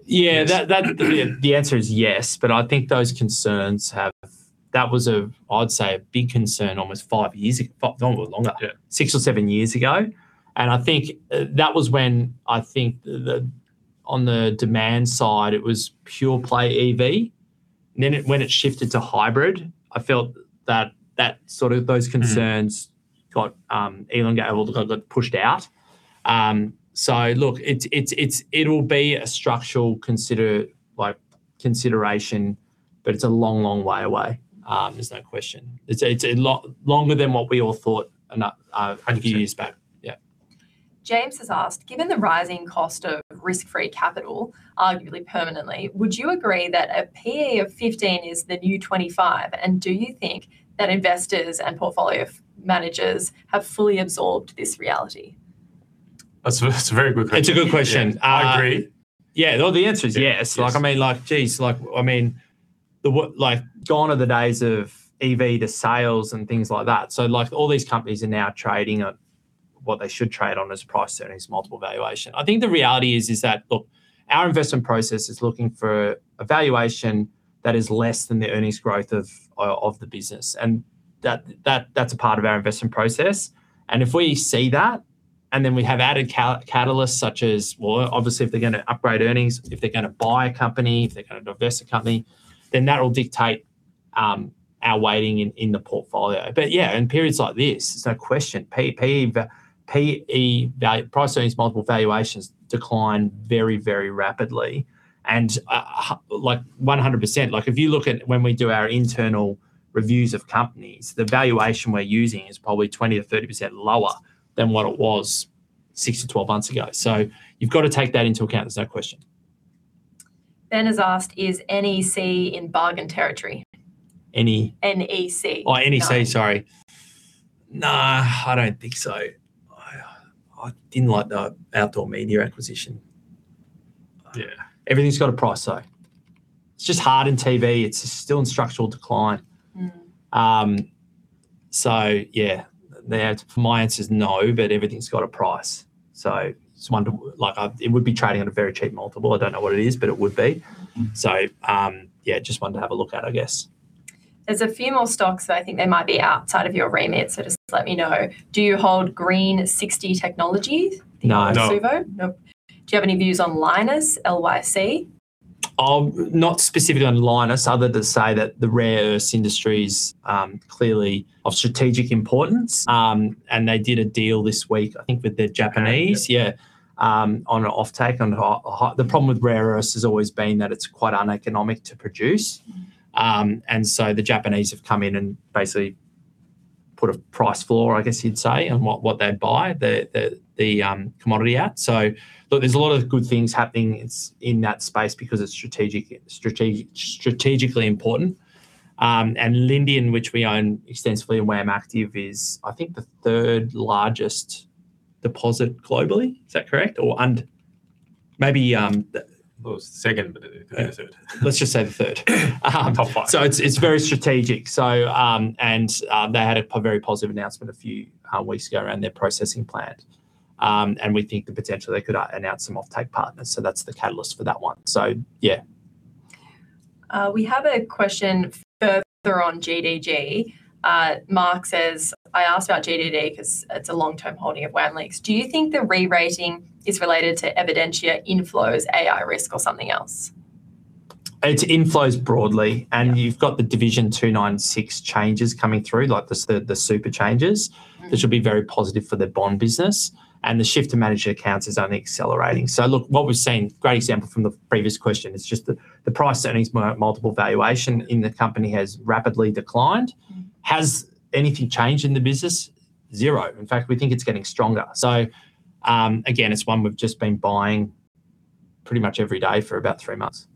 The answer is yes, but I think those concerns have. That was, I'd say, a big concern almost five years ago- No, longer. Six or seven years ago. I think that was when, on the demand side, it was pure play EV. Then, when it shifted to hybrid, I felt that sort of those concerns, even got pushed out. Look, it's a structural consideration, like, but it's a long way away. There's no question. It's a longer than what we all thought a few years back. James has asked, "Given the rising cost of risk-free capital, arguably permanently, would you agree that a P/E of 15 is the new 25, and do you think that investors and portfolio managers have fully absorbed this reality?" That's a very good question. It's a good question. I agree. Yeah. No, the answer is yes. Yes. Like, I mean, gone are the days of EV sales and things like that. Like, all these companies are now trading at what they should trade on as price-earnings multiple valuation. I think the reality is that, look, our investment process is looking for a valuation that is less than the earnings growth of the business, and that that's a part of our investment process. We have added catalysts such as, well, obviously, if they're gonna upgrade earnings, if they're gonna buy a company, if they're gonna divest a company, then that will dictate our weighting in the portfolio. Yeah, in periods like this, there's no question, P/E, but P/E value, price-earnings multiple valuations decline very, very rapidly, and like 100%. Like, if you look at when we do our internal reviews of companies, the valuation we're using is probably 20%-30% lower than what it was 6-12 months ago. You've got to take that into account, there's no question. Ben has asked, "Is NEC in bargain territory?" No, I don't think so. I didn't like the outdoor media acquisition. Everything's got a price. It's just hard in TV. It's still in structural decline. Yeah, my answer is no, but everything's got a price. Like, it would be trading at a very cheap multiple. I don't know what it is, but it would be. Yeah, just one to have a look at, I guess. There's a few more stocks, but I think they might be outside of your remit, so just let me know. Do you hold Green Technology Metals? No. Nope. Do you have any views on Lynas? Not specifically on Lynas, other than say that the rare earths industry's clearly of strategic importance. They did a deal this week, I think with the Japanese on an offtake. The problem with rare earths has always been that it's quite uneconomic to produce. The Japanese have come in and basically put a price floor, I guess you'd say, on what they'd buy the commodity at. Look, there's a lot of good things happening in that space because it's strategically important. Lindian, which we own extensively and where I'm active, is I think the third largest deposit globally. Is that correct? Well, it's the second, but it could be third. Let's just say the third. Top five. It's very strategic. They had a very positive announcement a few weeks ago around their processing plant. We think the potential they could announce some offtake partners, so that's the catalyst for that one. Yeah. We have a question further on GDG. Mark says, "I ask about GDG 'cause it's a long-term holding of WAM LICs. Do you think the re-rating is related to Evidentia inflows, AI risk or something else?" It's inflows broadly. You've got the Division 296 changes coming through, like the super changes that should be very positive for the bond business, and the shift to managed accounts is only accelerating. Look, what we've seen, great example from the previous question, is just the price earnings multiple valuation in the company has rapidly declined. Has anything changed in the business? Zero. In fact, we think it's getting stronger. Again, it's one we've just been buying pretty much every day for about three months.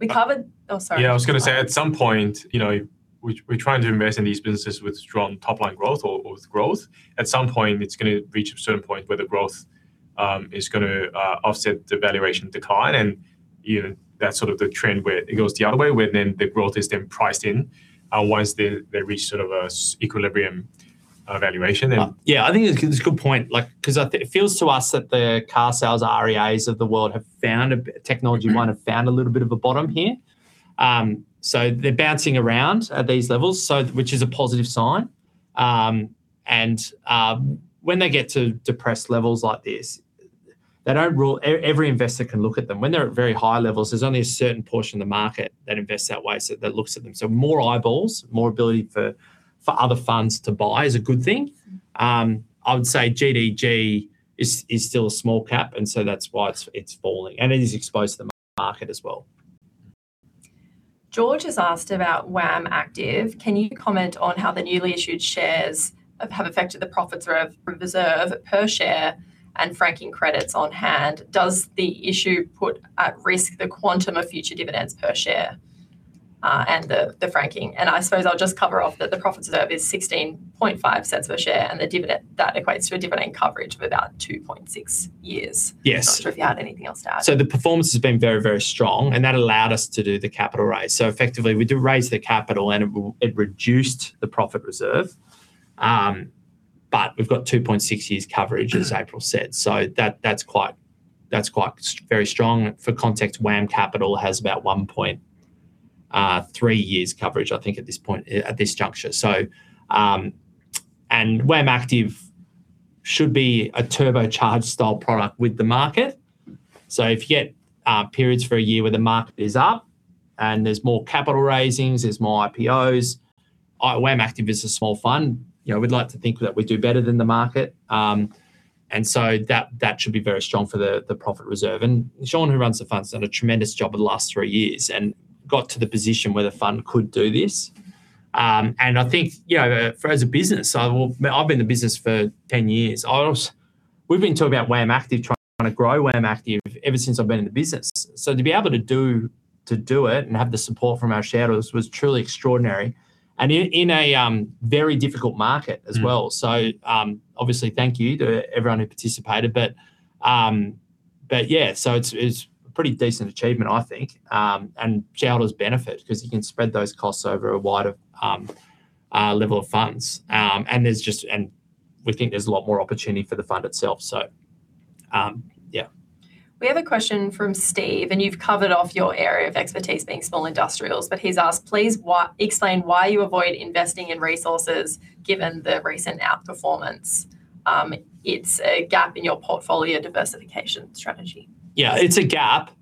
Yeah, I was gonna say, at some point, you know, we're trying to invest in these businesses with strong top-line growth or with growth. At some point, it's gonna reach a certain point where the growth is gonna offset the valuation decline, and, you know, that's sort of the trend where it goes the other way, where then the growth is then priced in, once they reach sort of an equilibrium valuation then. Yeah, I think it's a good point, like, 'cause it feels to us that the Carsales, REAs of the world have found a technology might have found a little bit of a bottom here. They're bouncing around at these levels, which is a positive sign. When they get to depressed levels like this, every investor can look at them. When they're at very high levels, there's only a certain portion of the market that invests that way, that looks at them. More eyeballs, more ability for other funds to buy is a good thing. I would say GDG is still a small cap, and so that's why it's falling. It is exposed to the market as well. George has asked about WAM Active: "Can you comment on how the newly issued shares have affected the profit reserve per share and franking credits on hand? Does the issue put at risk the quantum of future dividends per share, and the franking?" I suppose I'll just cover off that the profit reserve is 0.165 per share, and the dividend that equates to a dividend coverage of about 2.6 years. Not sure if you had anything else to add. Yes, the performance has been very, very strong, and that allowed us to do the capital raise. Effectively, we did raise the capital and it reduced the profit reserve. But we've got 2.6 years' coverage, as April said, that's quite very strong. For context, WAM Capital has about 1.3 years coverage, I think at this point, at this juncture. WAM Active should be a turbocharged style product with the market. If you get periods for a year where the market is up, and there's more capital raisings, there's more IPOs. WAM Active is a small fund. You know, we'd like to think that we do better than the market. That should be very strong for the profit reserve. Shaun, who runs the fund, has done a tremendous job over the last three years and got to the position where the fund could do this. I think, you know, for as a business, I've, well, I've been in the business for 10 years. We've been talking about WAM Active, trying to grow WAM Active ever since I've been in the business. To be able to do it and have the support from our shareholders was truly extraordinary, and in a very difficult market as well. Obviously, thank you to everyone who participated. It's a pretty decent achievement, I think. Shareholders benefit 'cause you can spread those costs over a wider level of funds. We think there's a lot more opportunity for the fund itself. Yeah. We have a question from Steve, and you've covered off your area of expertise being small industrials. He's asked, "Please explain why you avoid investing in resources given the recent outperformance? It's a gap in your portfolio diversification strategy." Yeah, it's a gap.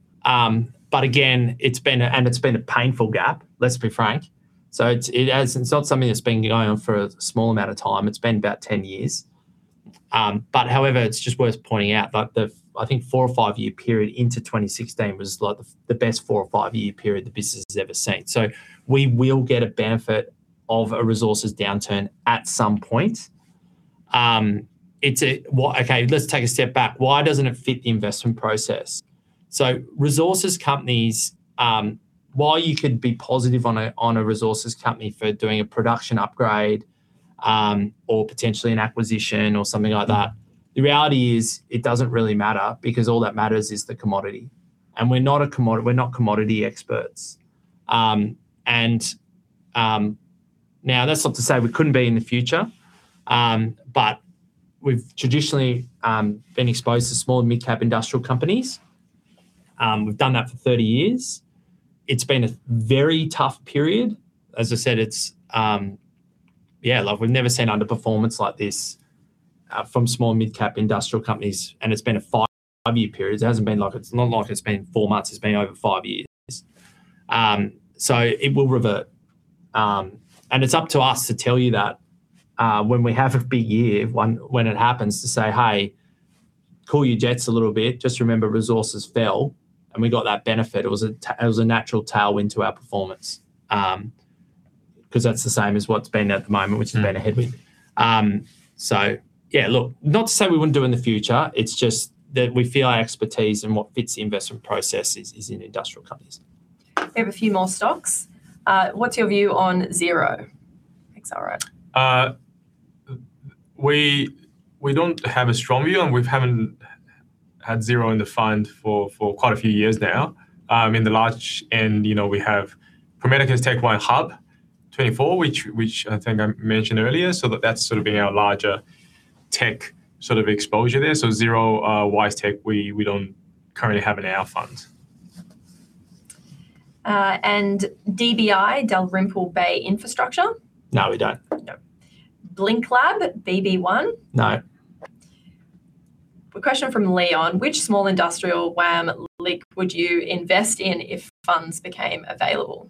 Again, it's been a painful gap, let's be frank. It's not something that's been going on for a small amount of time. It's been about 10 years. However, it's just worth pointing out that the, I think, four or five-year period into 2016 was like the best four or five-year period the business has ever seen. We will get a benefit of a resources downturn at some point. Well, okay, let's take a step back. Why doesn't it fit the investment process? Resources companies, while you could be positive on a resources company for doing a production upgrade or potentially an acquisition or something like that, the reality is it doesn't really matter because all that matters is the commodity, and we're not a commodity, we're not commodity experts. That's not to say we couldn't be in the future, but we've traditionally been exposed to small and mid-cap industrial companies. We've done that for 30 years. It's been a very tough period. As I said, it's like we've never seen underperformance like this from small and mid-cap industrial companies, and it's been a five-year period. It hasn't been like it's been four months, it's been over five years. It will revert. It's up to us to tell you that when we have a big year, when it happens to say, "Hey, cool your jets a little bit. Just remember resources fell, and we got that benefit." It was a natural tailwind to our performance, 'cause that's the same as what's been at the moment, which has been a headwind. Look, not to say we wouldn't do it in the future, it's just that we feel our expertise and what fits the investment process is in industrial companies. We have a few more stocks. What's your view on Xero, X-R-O? We don't have a strong view, and we haven't had Xero in the fund for quite a few years now. In the large end, you know, we have Pro Medicus, Technology One, HUB24, which I think I mentioned earlier. That's sort of been our larger tech sort of exposure there. Xero, WiseTech, we don't currently have in our fund. DBI, Dalrymple Bay Infrastructure? No, we don't. Yep. BlinkLab, BB1? No. A question from Leon: "Which small industrial WAM LIC would you invest in if funds became available?"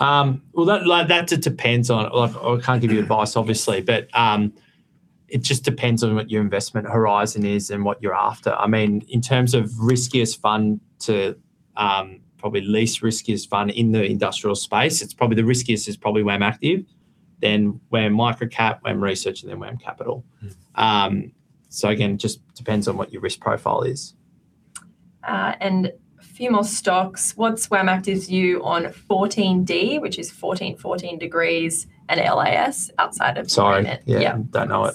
Look, I can't give you advice obviously, but it just depends on what your investment horizon is and what you're after. I mean, in terms of riskiest fund to probably least riskiest fund in the industrial space, it's probably the riskiest is probably WAM Active, then WAM Microcap, WAM Research, and then WAM Capital. Again, just depends on what your risk profile is. A few more stocks. What's WAM Active's view on 14D, which is 1414 Degrees and LAS outside of- Sorry. Yeah. Don't know it.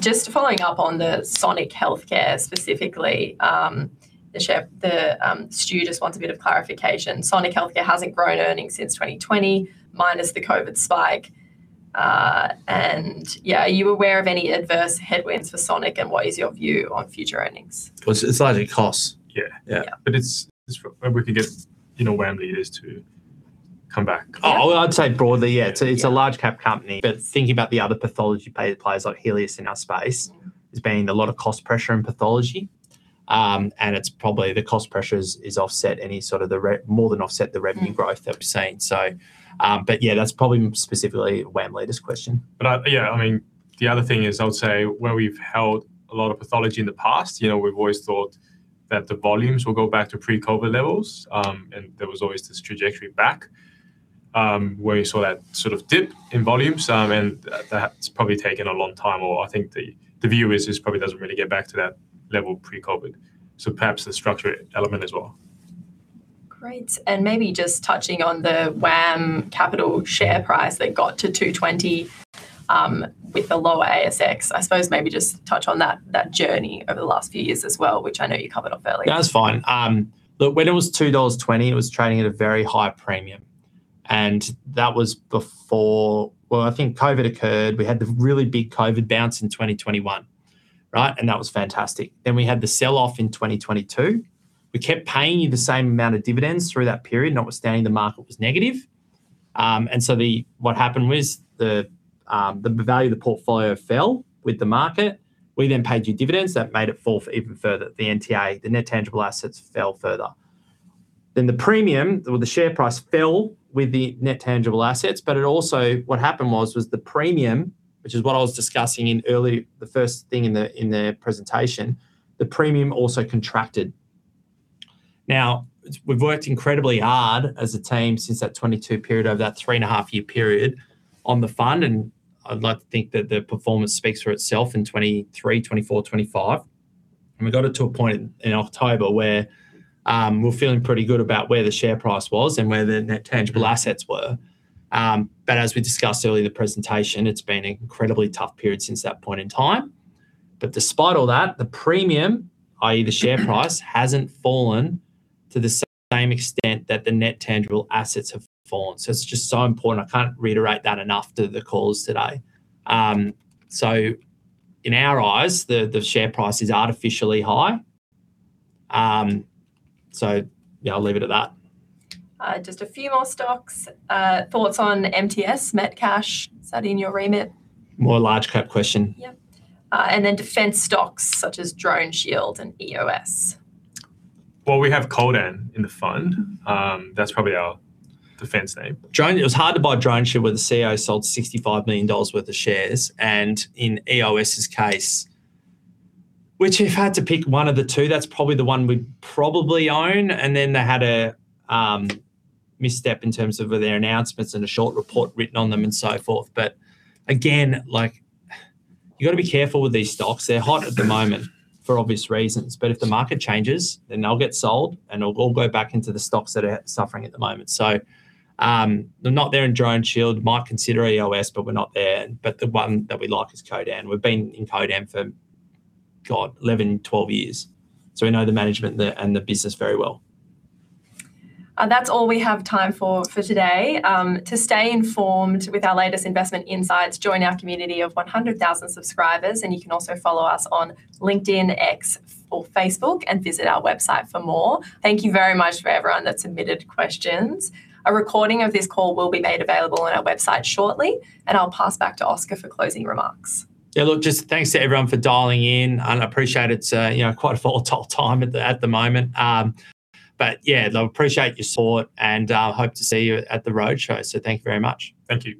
Just following up on the Sonic Healthcare specifically, Stu just wants a bit of clarification. Sonic Healthcare hasn't grown earnings since 2020 minus the COVID spike. Are you aware of any adverse headwinds for Sonic, and what is your view on future earnings? Well, it's likely costs. Yeah. Yeah. Yeah. Maybe we can get, you know, WAM Leaders to come back. Yeah. Oh, I'd say broadly, yeah. It's a large cap company. Thinking about the other pathology players like Healius in our space, there's been a lot of cost pressure in pathology. It's probably the cost pressures is offset any sort of the more than offset the revenue growth that we're seeing. Yeah, that's probably specifically WAM Leaders question. I mean, the other thing is I would say where we've held a lot of pathology in the past, you know, we've always thought that the volumes will go back to pre-COVID levels. There was always this trajectory back, where you saw that sort of dip in volumes. That's probably taken a long time or I think the view is just probably doesn't really get back to that level pre-COVID. Perhaps the structure element as well. Great. Maybe just touching on the WAM Capital share price that got to 2.20 with the lower ASX. I suppose maybe just touch on that journey over the last few years as well, which I know you covered off earlier. That's fine. Look, when it was 2.20 dollars, it was trading at a very high premium, and that was before. Well, I think COVID occurred. We had the really big COVID bounce in 2021, right? That was fantastic. We had the sell-off in 2022. We kept paying you the same amount of dividends through that period, notwithstanding the market was negative. What happened was the value of the portfolio fell with the market. We then paid you dividends. That made it fall even further. The NTA, the net tangible assets, fell further. The premium or the share price fell with the net tangible assets, but it also, what happened was the premium, which is what I was discussing earlier, the first thing in the presentation, the premium also contracted. Now, we've worked incredibly hard as a team since that 2022 period, over that 3.5-year period on the fund, and I'd like to think that the performance speaks for itself in 2023, 2024, 2025. We got it to a point in October where we're feeling pretty good about where the share price was and where the net tangible assets were. As we discussed earlier in the presentation, it's been an incredibly tough period since that point in time. Despite all that, the premium, i.e. the share price, hasn't fallen to the same extent that the net tangible assets have fallen. It's just so important, I can't reiterate that enough to the calls today. In our eyes, the share price is artificially high. Yeah, I'll leave it at that. Just a few more stocks. Thoughts on MTS, Metcash. Is that in your remit? More large-cap question. Yep. Defense stocks such as DroneShield and EOS. Well, we have Codan in the fund. That's probably our defense name. It was hard to buy DroneShield when the CEO sold 65 million dollars worth of shares. In EOS's case, which if I had to pick one of the two, that's probably the one we'd probably own. They had a misstep in terms of their announcements and a short report written on them and so forth. Again, like, you gotta be careful with these stocks. They're hot at the moment for obvious reasons. If the market changes, then they'll get sold, and it'll all go back into the stocks that are suffering at the moment. They're not there in DroneShield. Might consider EOS, but we're not there. The one that we like is Codan. We've been in Codan for 11-12 years, so we know the management there and the business very well. That's all we have time for today. To stay informed with our latest investment insights, join our community of 100,000 subscribers, and you can also follow us on LinkedIn, X or Facebook, and visit our website for more. Thank you very much for everyone that submitted questions. A recording of this call will be made available on our website shortly, and I'll pass back to Oscar for closing remarks. Yeah, look, just thanks to everyone for dialing in, and I appreciate it's, you know, quite a volatile time at the moment. Yeah, look, appreciate your support and hope to see you at the roadshow. Thank you very much. Thank you.